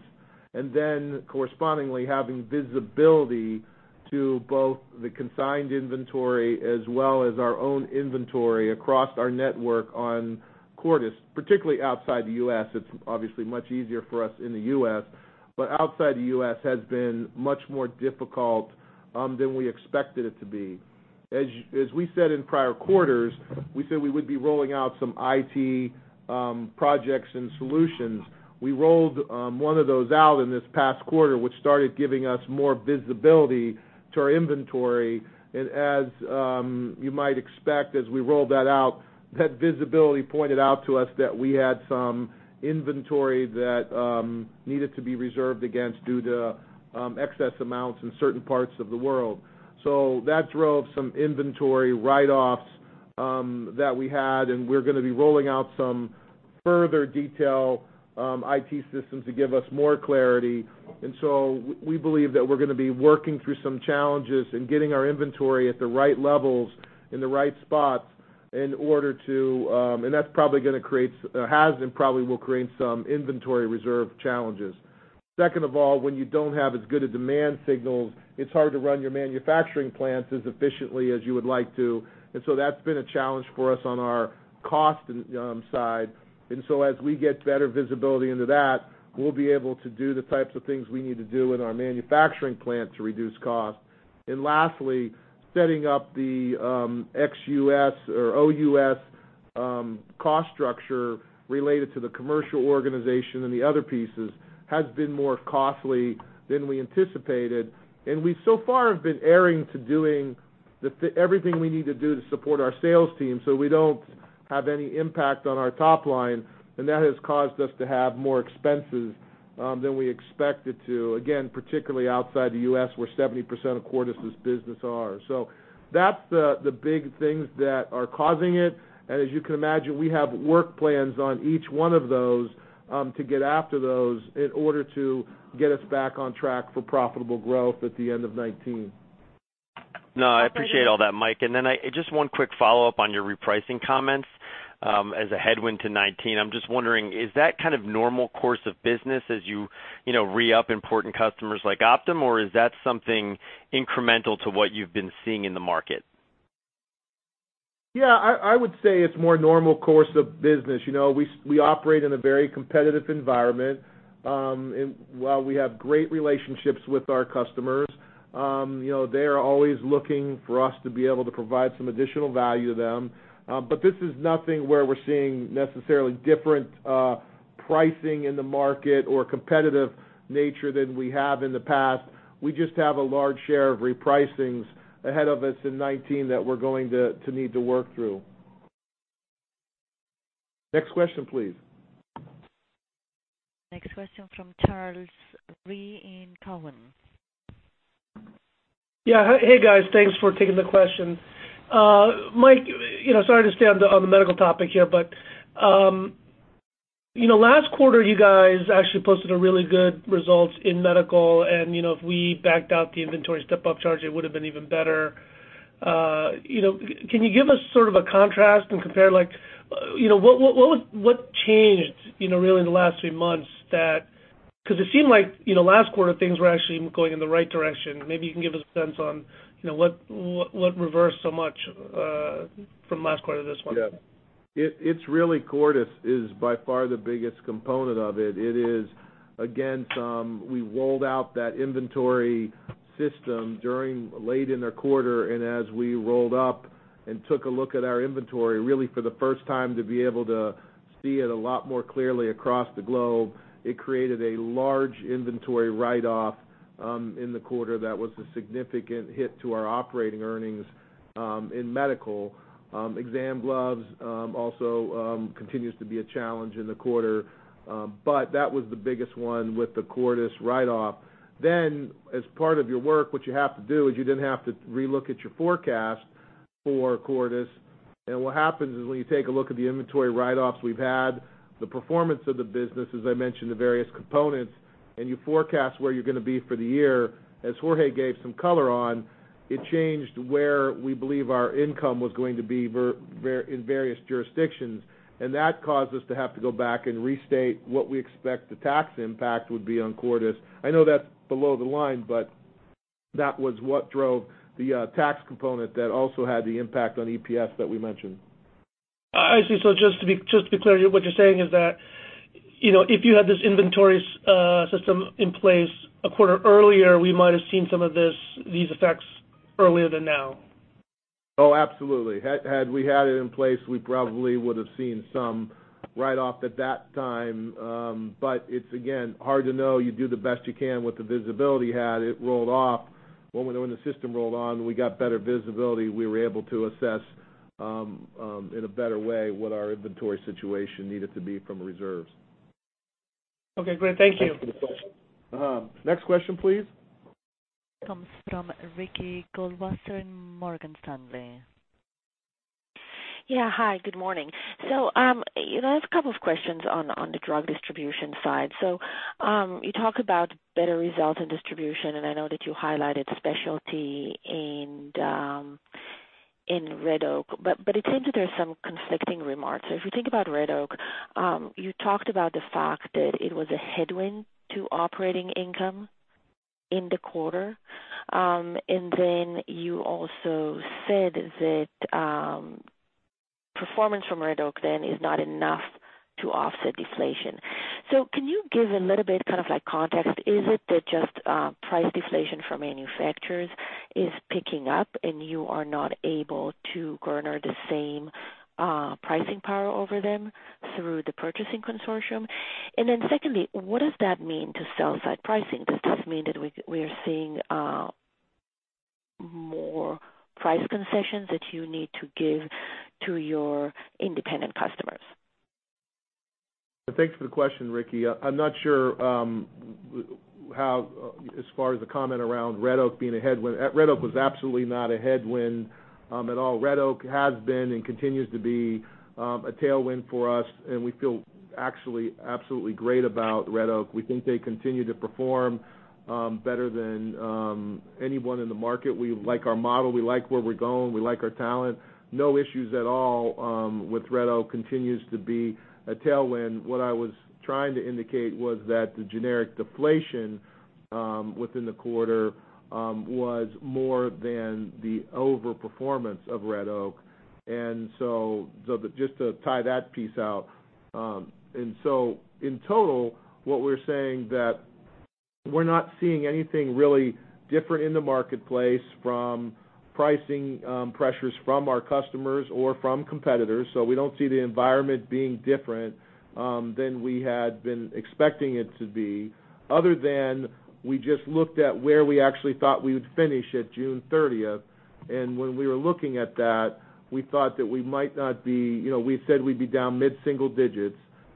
and then correspondingly having visibility to both the consigned inventory as well as our own inventory across our network on Cordis, particularly outside the U.S., it's obviously much easier for us in the U.S., but outside the U.S. has been much more difficult than we expected it to be. As we said in prior quarters, we said we would be rolling out some IT projects and solutions. We rolled one of those out in this past quarter, which started giving us more visibility to our inventory. As you might expect, as we rolled that out, that visibility pointed out to us that we had some inventory that needed to be reserved against due to excess amounts in certain parts of the world. That drove some inventory write-offs that we had, and we're going to be rolling out some further detail IT systems to give us more clarity. We believe that we're going to be working through some challenges and getting our inventory at the right levels in the right spots. That's probably going to create, or has and probably will create some inventory reserve challenges. Second of all, when you don't have as good a demand signals, it's hard to run your manufacturing plants as efficiently as you would like to. That's been a challenge for us on our cost side. As we get better visibility into that, we'll be able to do the types of things we need to do in our manufacturing plant to reduce cost. Lastly, setting up the ex-U.S. or OUS cost structure related to the commercial organization and the other pieces has been more costly than we anticipated. We so far have been erring to doing everything we need to do to support our sales team, so we don't have any impact on our top line, and that has caused us to have more expenses than we expected to, again, particularly outside the U.S., where 70% of Cordis' business are. That's the big things that are causing it. As you can imagine, we have work plans on each one of those to get after those in order to get us back on track for profitable growth at the end of 2019. No, I appreciate all that, Mike. Just one quick follow-up on your repricing comments as a headwind to FY 2019. I'm just wondering, is that kind of normal course of business as you re-up important customers like Optum, or is that something incremental to what you've been seeing in the market? Yeah, I would say it's more normal course of business. We operate in a very competitive environment. While we have great relationships with our customers, they are always looking for us to be able to provide some additional value to them. This is nothing where we're seeing necessarily different pricing in the market or competitive nature than we have in the past. We just have a large share of repricings ahead of us in FY 2019 that we're going to need to work through. Next question, please. Next question from Charles Rhyee in Cowen. Yeah. Hey, guys. Thanks for taking the question. Mike, sorry to stay on the medical topic here. Last quarter, you guys actually posted really good results in medical, and if we backed out the inventory step-up charge, it would've been even better. Can you give us sort of a contrast and compare what changed, really, in the last three months? Because it seemed like last quarter things were actually going in the right direction. Maybe you can give us a sense on what reversed so much from last quarter to this one. It's really Cordis is by far the biggest component of it. It is, again, we rolled out that inventory system during late in the quarter, and as we rolled up and took a look at our inventory, really for the first time to be able to see it a lot more clearly across the globe, it created a large inventory write-off in the quarter that was a significant hit to our operating earnings in Medical. Exam gloves also continues to be a challenge in the quarter. That was the biggest one with the Cordis write-off. As part of your work, what you have to do is you then have to re-look at your forecast for Cordis, and what happens is when you take a look at the inventory write-offs we've had, the performance of the business, as I mentioned, the various components, and you forecast where you're going to be for the year, as Jorge gave some color on, it changed where we believe our income was going to be in various jurisdictions, and that caused us to have to go back and restate what we expect the tax impact would be on Cordis. I know that's below the line, that was what drove the tax component that also had the impact on EPS that we mentioned. I see. Just to be clear, what you're saying is that, if you had this inventory system in place a quarter earlier, we might've seen some of these effects earlier than now. Absolutely. Had we had it in place, we probably would've seen some write-off at that time. It's, again, hard to know. You do the best you can with the visibility you had. It rolled off. When the system rolled on and we got better visibility, we were able to assess in a better way what our inventory situation needed to be from reserves. Okay, great. Thank you. Thanks for the question. Next question, please. Comes from Ricky Goldwasser in Morgan Stanley. Yeah. Hi, good morning. I have a couple of questions on the drug distribution side. You talk about better results in distribution, and I know that you highlighted Specialty and Red Oak, but it seems that there's some conflicting remarks. If you think about Red Oak, you talked about the fact that it was a headwind to operating income in the quarter. You also said that performance from Red Oak then is not enough to offset deflation. Can you give a little bit of context? Is it that just price deflation from manufacturers is picking up and you are not able to garner the same pricing power over them through the purchasing consortium? Secondly, what does that mean to sell-side pricing? Does this mean that we are seeing more price concessions that you need to give to your independent customers? Thanks for the question, Ricky Goldwasser. I'm not sure as far as the comment around Red Oak being a headwind. Red Oak was absolutely not a headwind at all. Red Oak has been, and continues to be, a tailwind for us, and we feel absolutely great about Red Oak. We think they continue to perform better than anyone in the market. We like our model. We like where we're going. We like our talent. No issues at all with Red Oak, continues to be a tailwind. What I was trying to indicate was that the generic deflation within the quarter was more than the over-performance of Red Oak. Just to tie that piece out, and so in total, what we're saying that we're not seeing anything really different in the marketplace from pricing pressures from our customers or from competitors. We don't see the environment being different than we had been expecting it to be, other than we just looked at where we actually thought we would finish at June 30th. When we were looking at that, We said we'd be down mid-single digits,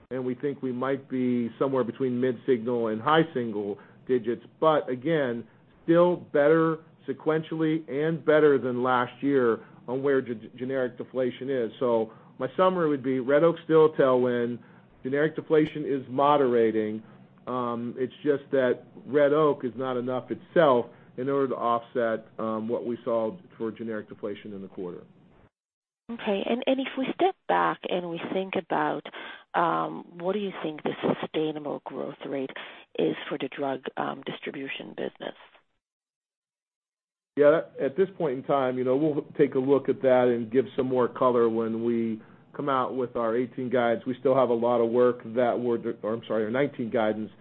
and we think we might be somewhere between mid-single and high single digits, but again, still better sequentially and better than last year on where generic deflation is. My summary would be Red Oak's still a tailwind. Generic deflation is moderating. It's just that Red Oak is not enough itself in order to offset what we saw for generic deflation in the quarter. Okay. If we step back, and we think about what do you think the sustainable growth rate is for the drug distribution business? Yeah. At this point in time, we'll take a look at that and give some more color when we come out with our 2018 guidance. Or I'm sorry, our 2019 guidance.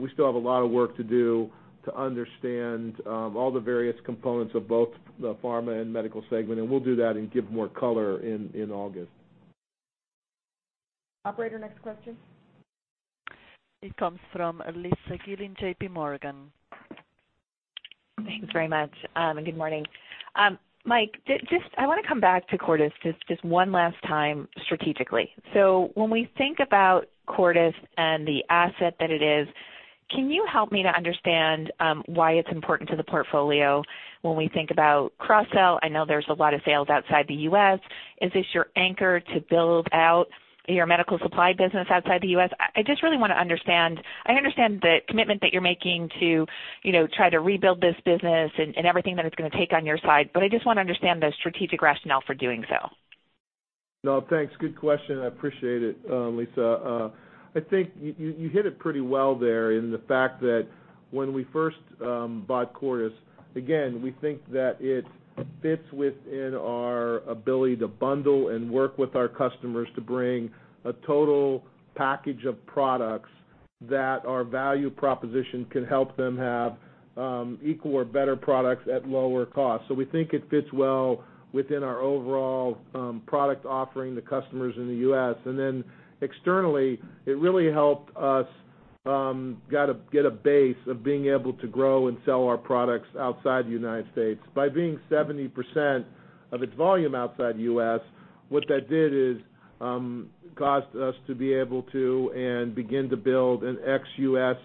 We still have a lot of work to do to understand all the various components of both the pharma and medical segment, and we'll do that and give more color in August. Operator, next question. It comes from Lisa Gill in JPMorgan. Thanks very much, and good morning. Mike, I want to come back to Cordis just one last time strategically. When we think about Cordis and the asset that it is, can you help me to understand why it's important to the portfolio when we think about cross-sell? I know there's a lot of sales outside the U.S. Is this your anchor to build out your medical supply business outside the U.S.? I understand the commitment that you're making to try to rebuild this business and everything that it's going to take on your side, I just want to understand the strategic rationale for doing so. No, thanks. Good question. I appreciate it, Lisa. I think you hit it pretty well there in the fact that when we first bought Cordis, again, we think that it fits within our ability to bundle and work with our customers to bring a total package of products that our value proposition can help them have equal or better products at lower cost. We think it fits well within our overall product offering to customers in the U.S. Externally, it really helped us get a base of being able to grow and sell our products outside the United States. By being 70% of its volume outside the U.S., what that did is caused us to be able to, and begin to build an ex-U.S.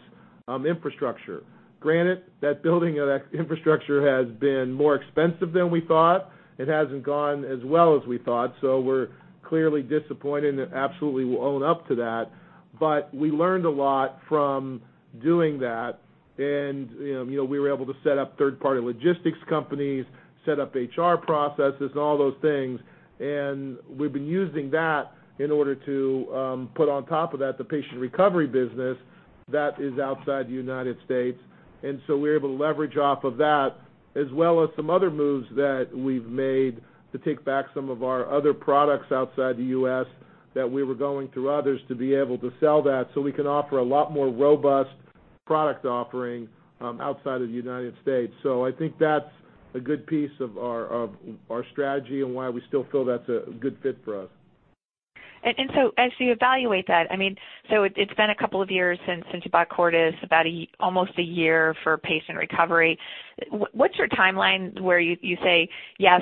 infrastructure. Granted, that building of that infrastructure has been more expensive than we thought. It hasn't gone as well as we thought, so we're clearly disappointed, and absolutely will own up to that. We learned a lot from doing that. We were able to set up third-party logistics companies, set up HR processes, and all those things, and we've been using that in order to put on top of that the Patient Recovery business that is outside the U.S. We're able to leverage off of that, as well as some other moves that we've made to Take Back some of our other products outside the U.S. that we were going through others to be able to sell that, so we can offer a lot more robust product offering outside of the U.S. I think that's a good piece of our strategy and why we still feel that's a good fit for us. As you evaluate that, it's been a couple of years since you bought Cordis, about almost a year for Patient Recovery. What's your timeline where you say yes?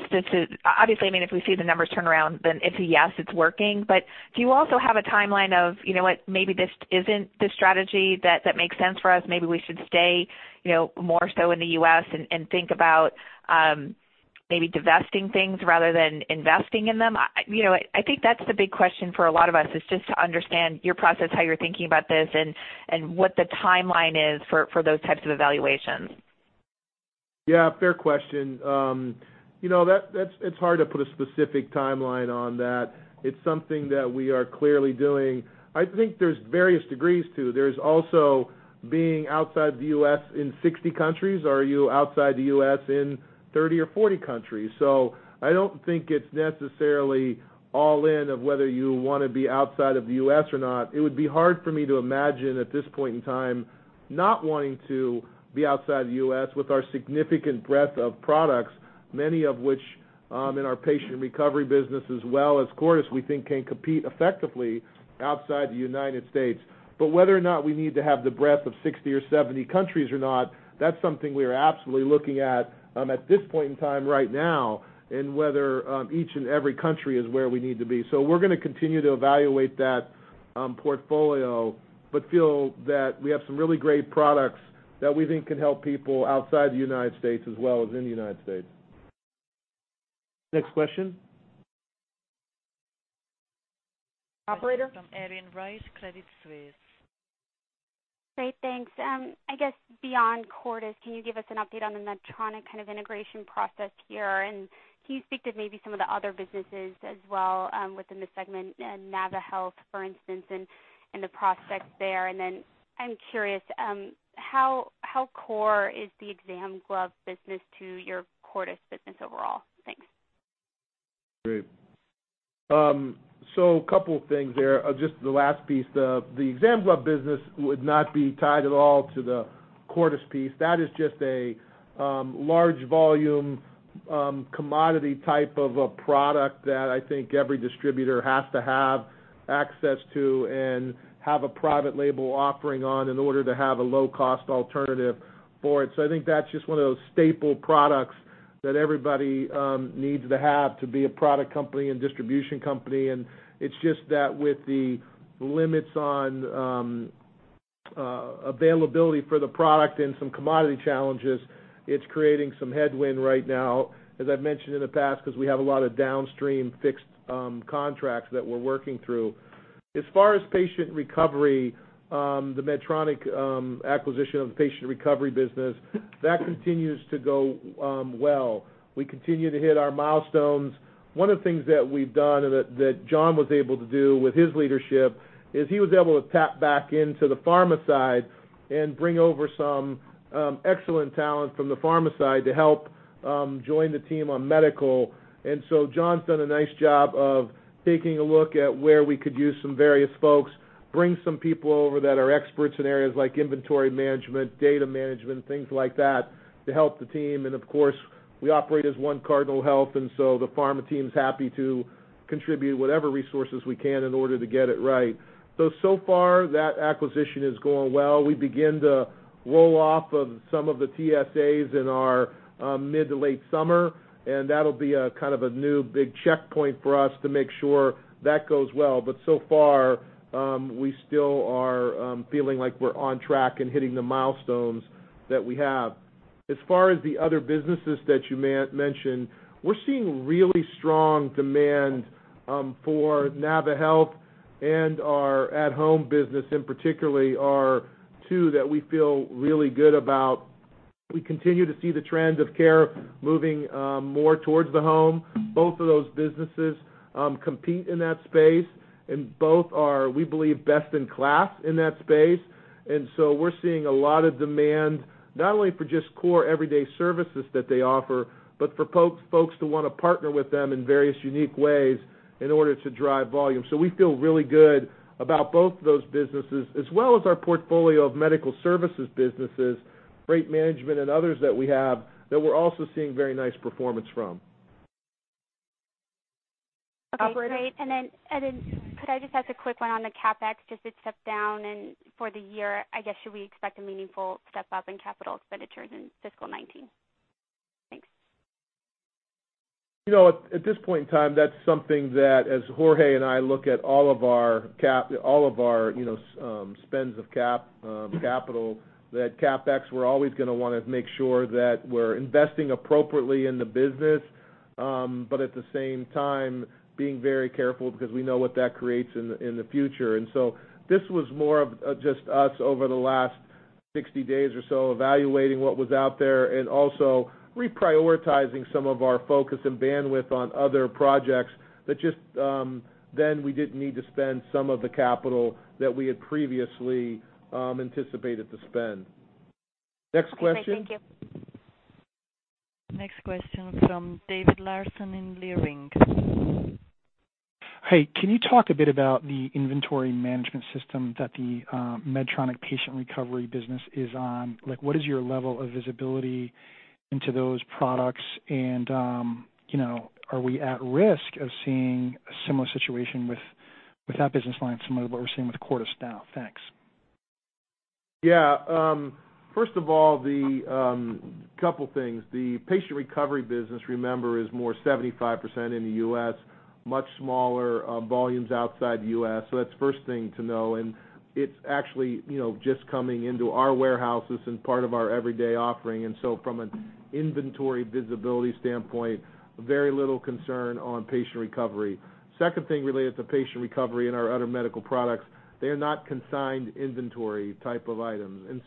Obviously, if we see the numbers turn around, then it's a yes, it's working. Do you also have a timeline of, maybe this isn't the strategy that makes sense for us? Maybe we should stay more so in the U.S. and think about maybe divesting things rather than investing in them. I think that's the big question for a lot of us, is just to understand your process, how you're thinking about this, and what the timeline is for those types of evaluations. Yeah, fair question. It's hard to put a specific timeline on that. It's something that we are clearly doing. I think there's various degrees, too. There's also being outside the U.S. in 60 countries, or are you outside the U.S. in 30 or 40 countries? I don't think it's necessarily all in of whether you want to be outside of the U.S. or not. It would be hard for me to imagine at this point in time not wanting to be outside the U.S. with our significant breadth of products, many of which, in our Patient Recovery business as well as Cordis, we think can compete effectively outside the U.S. Whether or not we need to have the breadth of 60 or 70 countries or not, that's something we are absolutely looking at this point in time right now, and whether each and every country is where we need to be. We're going to continue to evaluate that portfolio, but feel that we have some really great products that we think can help people outside the U.S. as well as in the U.S. Next question. Operator? From Erin Wright, Credit Suisse. Great, thanks. I guess beyond Cordis, can you give us an update on the Medtronic kind of integration process here? Can you speak to maybe some of the other businesses as well within the segment, naviHealth, for instance, and the prospects there? I'm curious, how core is the exam glove business to your Cordis business overall? Thanks. Great. A couple things there. Just the last piece, the exam glove business would not be tied at all to the Cordis piece. That is just a large volume, commodity type of a product that I think every distributor has to have access to and have a private label offering on in order to have a low-cost alternative for it. I think that's just one of those staple products that everybody needs to have to be a product company and distribution company. It's just that with the limits on availability for the product and some commodity challenges, it's creating some headwind right now, as I've mentioned in the past, because we have a lot of downstream fixed contracts that we're working through. As far as Patient Recovery, the Medtronic acquisition of the Patient Recovery business, that continues to go well. We continue to hit our milestones. One of the things that we've done and that John was able to do with his leadership is he was able to tap back into the pharma side and bring over some excellent talent from the pharma side to help join the team on medical. John's done a nice job of taking a look at where we could use some various folks, bring some people over that are experts in areas like inventory management, data management, things like that to help the team. Of course, we operate as one Cardinal Health, the pharma team's happy to contribute whatever resources we can in order to get it right. So far, that acquisition is going well. We begin to roll off of some of the TSAs in our mid to late summer, that'll be a new big checkpoint for us to make sure that goes well. So far, we still are feeling like we're on track and hitting the milestones that we have. As far as the other businesses that you mentioned, we're seeing really strong demand for naviHealth and our at-Home business, in particular, are two that we feel really good about. We continue to see the trends of care moving more towards the home. Both of those businesses compete in that space, and both are, we believe, best in class in that space. We're seeing a lot of demand, not only for just core everyday services that they offer, but for folks who want to partner with them in various unique ways in order to drive volume. We feel really good about both those businesses, as well as our portfolio of medical services businesses, rate management, and others that we have that we're also seeing very nice performance from. Operator? Okay, great. Could I just ask a quick one on the CapEx? Just it stepped down, for the year, I guess, should we expect a meaningful step up in capital expenditures in fiscal 2019? Thanks. At this point in time, that's something that as Jorge and I look at all of our spends of capital, that CapEx, we're always going to want to make sure that we're investing appropriately in the business, but at the same time, being very careful because we know what that creates in the future. This was more of just us over the last 60 days or so evaluating what was out there and also reprioritizing some of our focus and bandwidth on other projects that just then we didn't need to spend some of the capital that we had previously anticipated to spend. Next question. Okay, thank you. Next question from David Larsen in Leerink. Hey, can you talk a bit about the inventory management system that the Medtronic Patient Recovery business is on? What is your level of visibility into those products? Are we at risk of seeing a similar situation with that business line, similar to what we're seeing with Cordis now? Thanks. Yeah. First of all, couple things. The Patient Recovery business, remember, is more 75% in the U.S., much smaller volumes outside the U.S. That's first thing to know. It's actually just coming into our warehouses and part of our everyday offering. From an inventory visibility standpoint, very little concern on Patient Recovery. Second thing related to Patient Recovery and our other medical products, they are not consigned inventory type of items.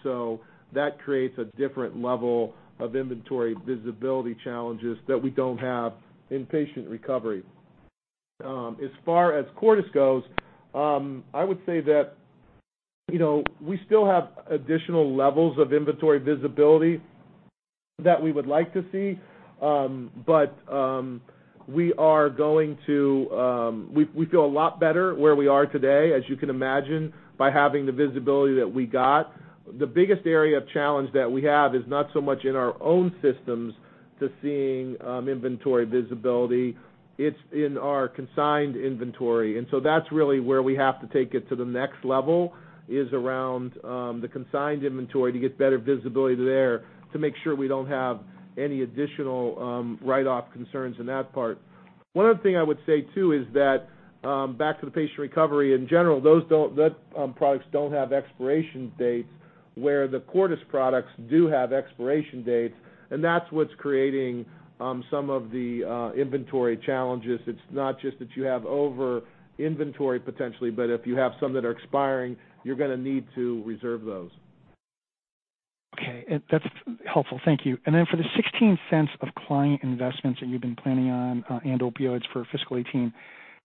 That creates a different level of inventory visibility challenges that we don't have in Patient Recovery. As far as Cordis goes, I would say that we still have additional levels of inventory visibility that we would like to see. We feel a lot better where we are today, as you can imagine, by having the visibility that we got. The biggest area of challenge that we have is not so much in our own systems to seeing inventory visibility. It's in our consigned inventory. That's really where we have to take it to the next level, is around the consigned inventory to get better visibility there to make sure we don't have any additional write-off concerns in that part. One other thing I would say, too, is that, back to the Patient Recovery, in general, those products don't have expiration dates, where the Cordis products do have expiration dates, and that's what's creating some of the inventory challenges. It's not just that you have over inventory potentially, but if you have some that are expiring, you're going to need to reserve those. Okay. That's helpful. Thank you. For the $0.16 of client investments that you've been planning on and opioids for FY 2018,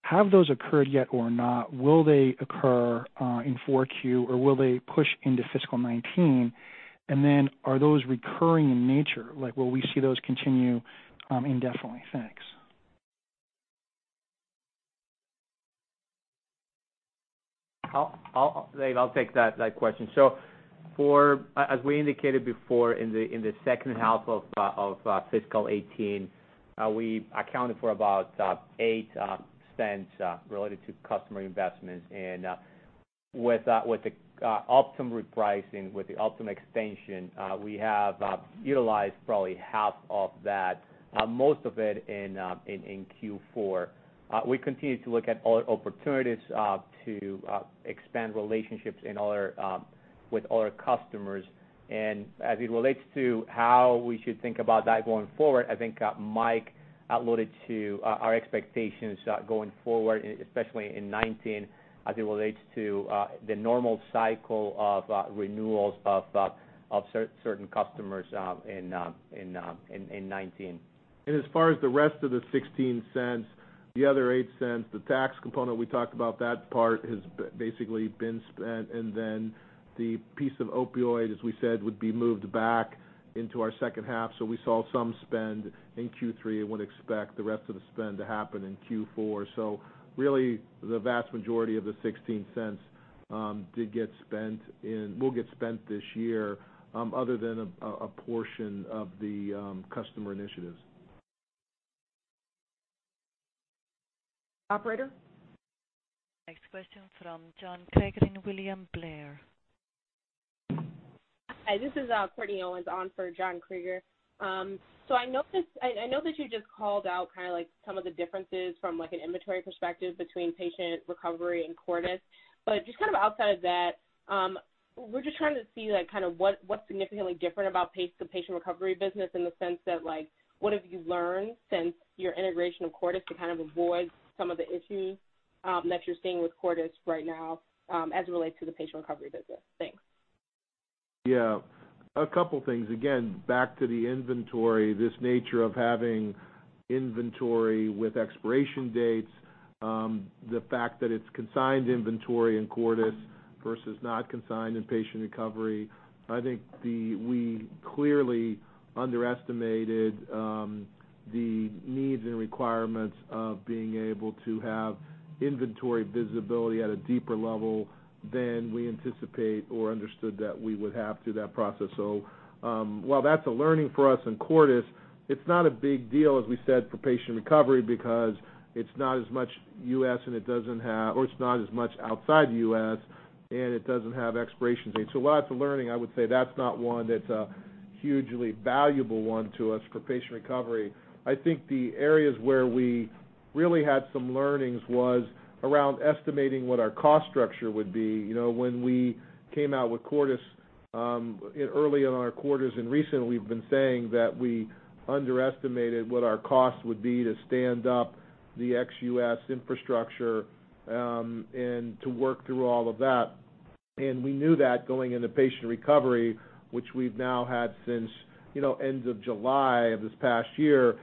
have those occurred yet or not? Will they occur in 4Q, or will they push into FY 2019? Are those recurring in nature? Will we see those continue indefinitely? Thanks. Dave, I'll take that question. As we indicated before, in the second half of FY 2018, we accounted for about $0.08 related to customer investments. With the Optum repricing, with the Optum extension, we have utilized probably half of that, most of it in Q4. We continue to look at all opportunities to expand relationships with all our customers. As it relates to how we should think about that going forward, I think Mike alluded to our expectations going forward, especially in 2019, as it relates to the normal cycle of renewals of certain customers in 2019. As far as the rest of the $0.16, the other $0.08, the tax component, we talked about that part has basically been spent, the piece of opioid, as we said, would be moved back into our second half. We saw some spend in Q3 and would expect the rest of the spend to happen in Q4. Really, the vast majority of the $0.16 did get spent and will get spent this year other than a portion of the customer initiatives. Operator? Next question from John Kreger in William Blair. Hi, this is Courtney Owens on for John Kreger. I know that you just called out some of the differences from an inventory perspective between Patient Recovery and Cordis. Just outside of that, we're just trying to see what's significantly different about the Patient Recovery business in the sense that, what have you learned since your integration of Cordis to kind of avoid some of the issues that you're seeing with Cordis right now as it relates to the Patient Recovery business? Thanks. Yeah. A couple things. Again, back to the inventory, this nature of having inventory with expiration dates, the fact that it's consigned inventory in Cordis versus not consigned in Patient Recovery. I think we clearly underestimated the needs and requirements of being able to have inventory visibility at a deeper level than we anticipate or understood that we would have through that process. While that's a learning for us in Cordis, it's not a big deal, as we said, for Patient Recovery because it's not as much outside the U.S., and it doesn't have expiration dates. While it's a learning, I would say that's not one that's a hugely valuable one to us for Patient Recovery. I think the areas where we really had some learnings was around estimating what our cost structure would be. When we came out with Cordis, early on in our quarters and recent, we've been saying that we underestimated what our costs would be to stand up the ex-U.S. infrastructure, and to work through all of that. We knew that going into Patient Recovery, which we've now had since end of July of this past year.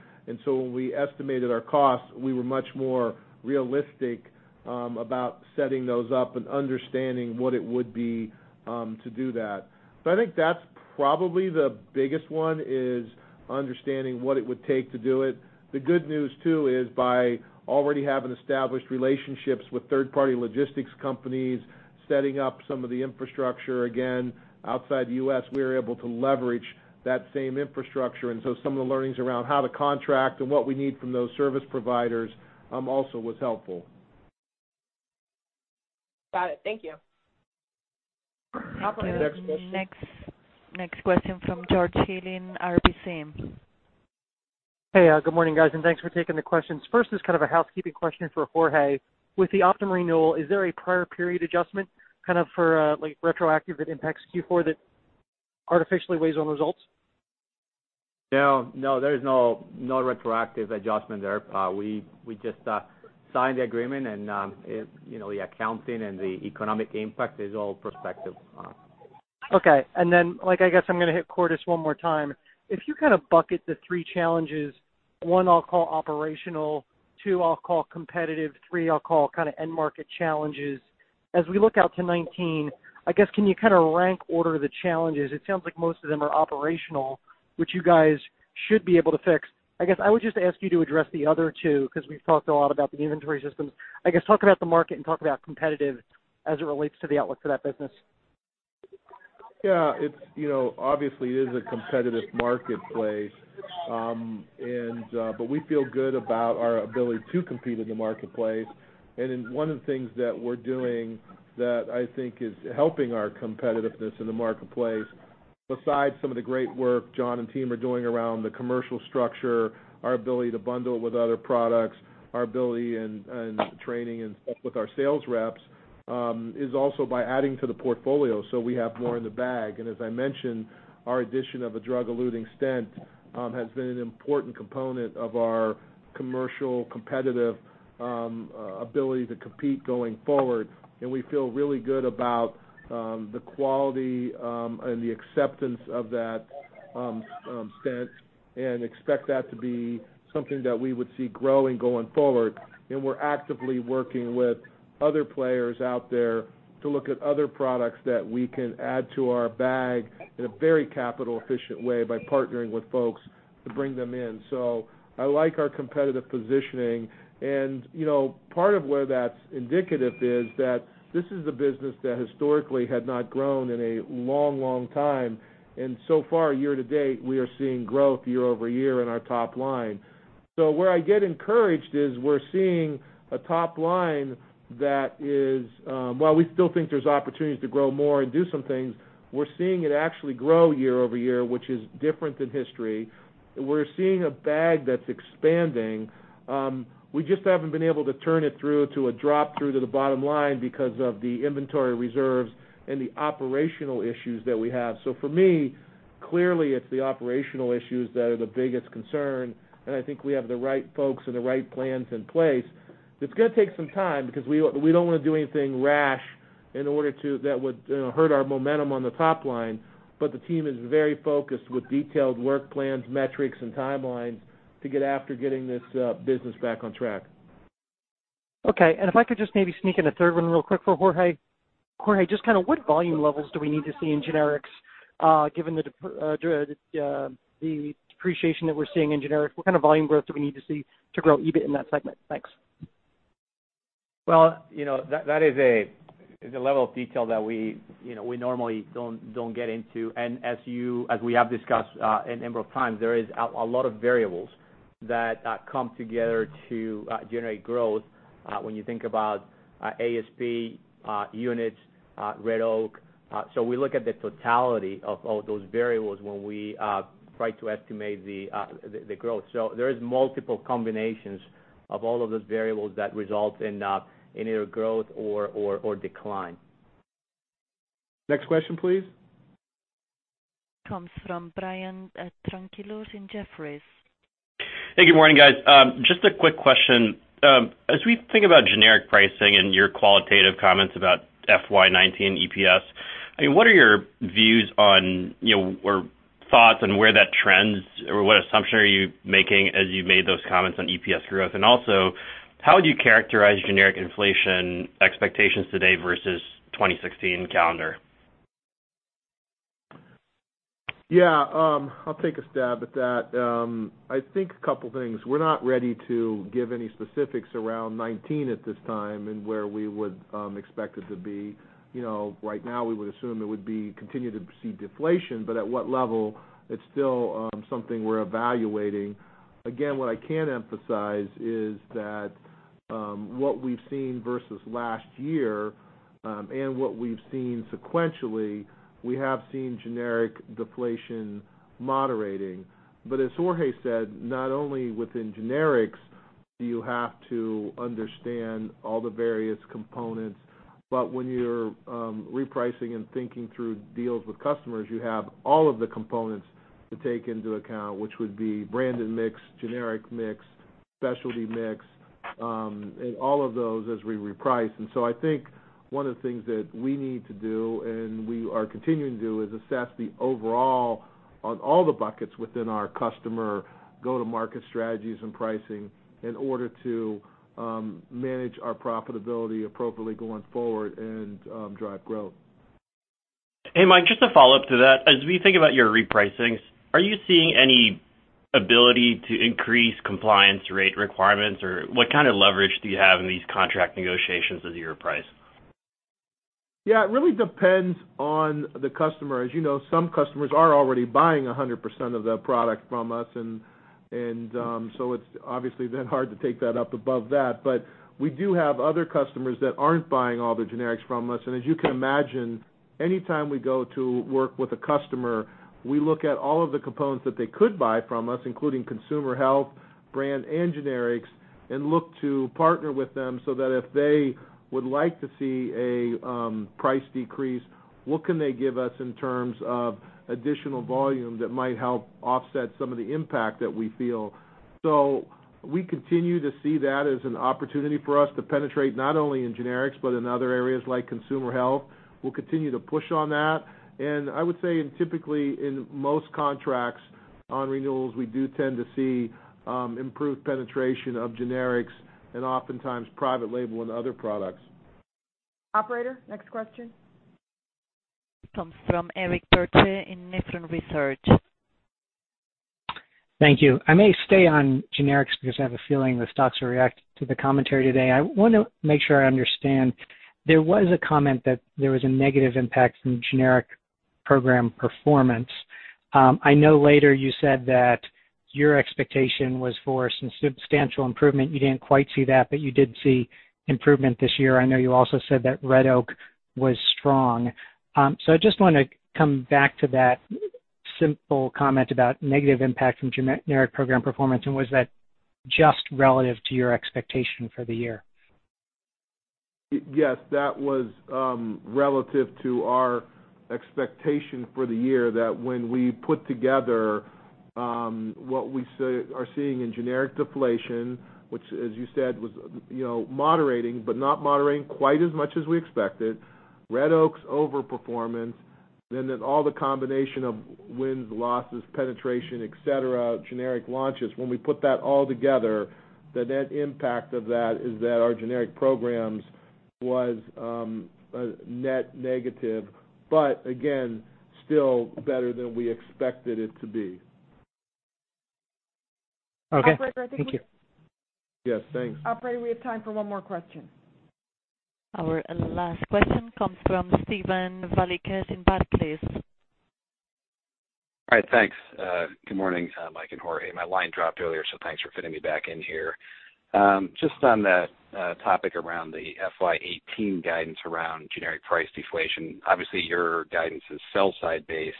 When we estimated our costs, we were much more realistic about setting those up and understanding what it would be to do that. I think that's probably the biggest one is understanding what it would take to do it. The good news, too, is by already having established relationships with third-party logistics companies, setting up some of the infrastructure again outside the U.S., we were able to leverage that same infrastructure. Some of the learnings around how to contract and what we need from those service providers also was helpful. Got it. Thank you. Next question. Next question from George Hill in RBCM. Good morning, guys, and thanks for taking the questions. First is kind of a housekeeping question for Jorge. With the Optum renewal, is there a prior period adjustment for retroactive that impacts Q4 that artificially weighs on results? No. There is no retroactive adjustment there. We just signed the agreement and the accounting and the economic impact is all prospective. Okay. I guess I'm going to hit Cordis one more time. If you kind of bucket the three challenges, one I'll call operational, two I'll call competitive, three I'll call kind of end market challenges. As we look out to 2019, I guess, can you kind of rank order the challenges? It sounds like most of them are operational, which you guys should be able to fix. I guess I would just ask you to address the other two, because we've talked a lot about the inventory systems. I guess, talk about the market and talk about competitive as it relates to the outlook for that business. Yeah. Obviously, it is a competitive marketplace. We feel good about our ability to compete in the marketplace. One of the things that we're doing that I think is helping our competitiveness in the marketplace, besides some of the great work John and team are doing around the commercial structure, our ability to bundle with other products, our ability and training and stuff with our sales reps, is also by adding to the portfolio so we have more in the bag. As I mentioned, our addition of a drug-eluting stent has been an important component of our commercial competitive ability to compete going forward, and we feel really good about the quality and the acceptance of that stent and expect that to be something that we would see growing going forward. We're actively working with other players out there to look at other products that we can add to our bag in a very capital efficient way by partnering with folks to bring them in. I like our competitive positioning and part of where that's indicative is that this is a business that historically had not grown in a long time, and so far, year to date, we are seeing growth year-over-year in our top line. Where I get encouraged is we're seeing a top line that is, while we still think there's opportunities to grow more and do some things, we're seeing it actually grow year-over-year, which is different than history. We're seeing a bag that's expanding. We just haven't been able to turn it through to a drop through to the bottom line because of the inventory reserves and the operational issues that we have. For me, clearly, it's the operational issues that are the biggest concern, and I think we have the right folks and the right plans in place. It's going to take some time because we don't want to do anything rash that would hurt our momentum on the top line. The team is very focused with detailed work plans, metrics, and timelines to get after getting this business back on track. Okay. If I could just maybe sneak in a third one real quick for Jorge. Jorge, just what volume levels do we need to see in generics given the depreciation that we're seeing in generic, what kind of volume growth do we need to see to grow EBIT in that segment? Thanks. Well, that is a level of detail that we normally don't get into. As we have discussed a number of times, there is a lot of variables that come together to generate growth, when you think about ASP, units, Red Oak. We look at the totality of all those variables when we try to estimate the growth. There is multiple combinations of all of those variables that result in either growth or decline. Next question, please. Comes from Brian Tanquilut in Jefferies. Hey, good morning, guys. Just a quick question. As we think about generic pricing and your qualitative comments about FY 2019 EPS, what are your views or thoughts on where that trends? What assumption are you making as you made those comments on EPS growth? Also, how would you characterize generic inflation expectations today versus 2016 calendar? Yeah, I'll take a stab at that. I think a couple things. We're not ready to give any specifics around 2019 at this time and where we would expect it to be. Right now, we would assume it would continue to see deflation, but at what level, it's still something we're evaluating. What I can emphasize is that what we've seen versus last year, and what we've seen sequentially, we have seen generic deflation moderating. As Jorge said, not only within generics do you have to understand all the various components, but when you're repricing and thinking through deals with customers, you have all of the components to take into account, which would be branded mix, generic mix, specialty mix, and all of those as we reprice. I think one of the things that we need to do, and we are continuing to do, is assess the overall on all the buckets within our customer go-to-market strategies and pricing in order to manage our profitability appropriately going forward and drive growth. Hey, Mike, just a follow-up to that. As we think about your repricings, are you seeing any ability to increase compliance rate requirements? What kind of leverage do you have in these contract negotiations as you reprice? Yeah, it really depends on the customer. As you know, some customers are already buying 100% of their product from us, it's obviously then hard to take that up above that. We do have other customers that aren't buying all their generics from us, As you can imagine, any time we go to work with a customer, we look at all of the components that they could buy from us, including consumer health, brand and generics, and look to partner with them so that if they would like to see a price decrease, what can they give us in terms of additional volume that might help offset some of the impact that we feel. We continue to see that as an opportunity for us to penetrate, not only in generics, but in other areas like consumer health. We'll continue to push on that. I would say typically in most contracts on renewals, we do tend to see improved penetration of generics and oftentimes private label and other products. Operator, next question. Comes from Eric Percher in Nephron Research. Thank you. I may stay on generics because I have a feeling the stocks will react to the commentary today. I want to make sure I understand. There was a comment that there was a negative impact from generic program performance. I know later you said that your expectation was for some substantial improvement. You didn't quite see that, but you did see improvement this year. I know you also said that Red Oak was strong. I just want to come back to that simple comment about negative impact from generic program performance, and was that just relative to your expectation for the year? Yes. That was relative to our expectation for the year that when we put together what we are seeing in generic deflation, which as you said, was moderating, but not moderating quite as much as we expected. Red Oak's overperformance, then all the combination of wins, losses, penetration, et cetera, generic launches. When we put that all together, the net impact of that is that our generic programs was net negative. Again, still better than we expected it to be. Okay. Thank you. Yes, thanks. Operator, we have time for one more question. Our last question comes from Steven Valiquette in Barclays. All right. Thanks. Good morning, Mike and Jorge. My line dropped earlier, so thanks for fitting me back in here. Just on the topic around the FY 2018 guidance around generic price deflation, obviously, your guidance is sell side based.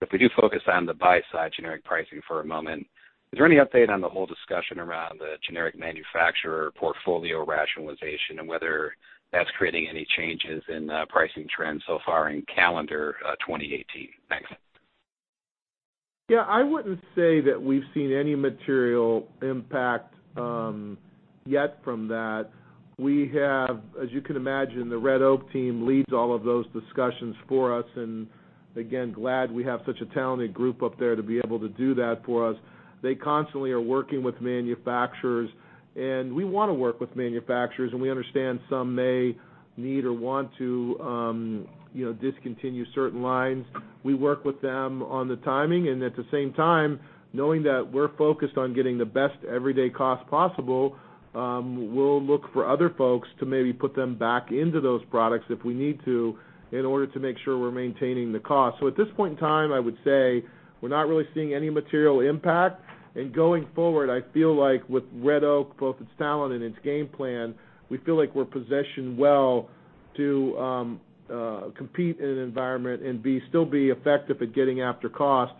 If we do focus on the buy side generic pricing for a moment, is there any update on the whole discussion around the generic manufacturer portfolio rationalization, and whether that's creating any changes in pricing trends so far in calendar 2018? Thanks. Yeah, I wouldn't say that we've seen any material impact yet from that. As you can imagine, the Red Oak team leads all of those discussions for us, and again, glad we have such a talented group up there to be able to do that for us. They constantly are working with manufacturers, and we want to work with manufacturers, and we understand some may need or want to discontinue certain lines. We work with them on the timing, and at the same time, knowing that we're focused on getting the best everyday cost possible, we'll look for other folks to maybe put them back into those products if we need to, in order to make sure we're maintaining the cost. At this point in time, I would say we're not really seeing any material impact. Going forward, I feel like with Red Oak, both its talent and its game plan, we feel like we're positioned well to compete in an environment and still be effective at getting after cost,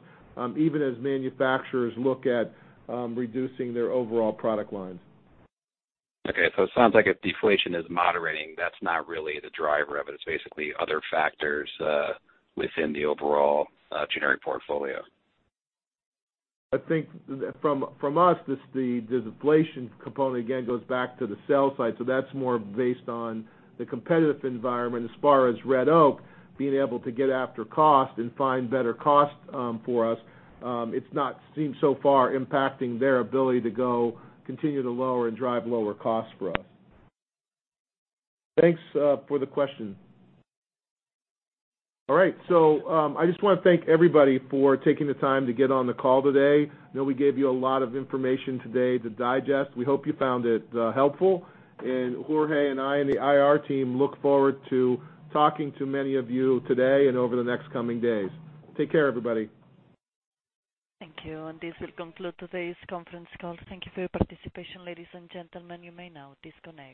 even as manufacturers look at reducing their overall product lines. Okay, it sounds like if deflation is moderating, that's not really the driver of it. It's basically other factors within the overall generic portfolio. I think from us, the deflation component, again, goes back to the sell side. That's more based on the competitive environment as far as Red Oak being able to get after cost and find better cost for us. It's not seemed so far impacting their ability to continue to lower and drive lower costs for us. Thanks for the question. All right. I just want to thank everybody for taking the time to get on the call today. I know we gave you a lot of information today to digest. We hope you found it helpful. Jorge and I and the IR team look forward to talking to many of you today and over the next coming days. Take care, everybody. Thank you, this will conclude today's conference call. Thank you for your participation, ladies and gentlemen. You may now disconnect.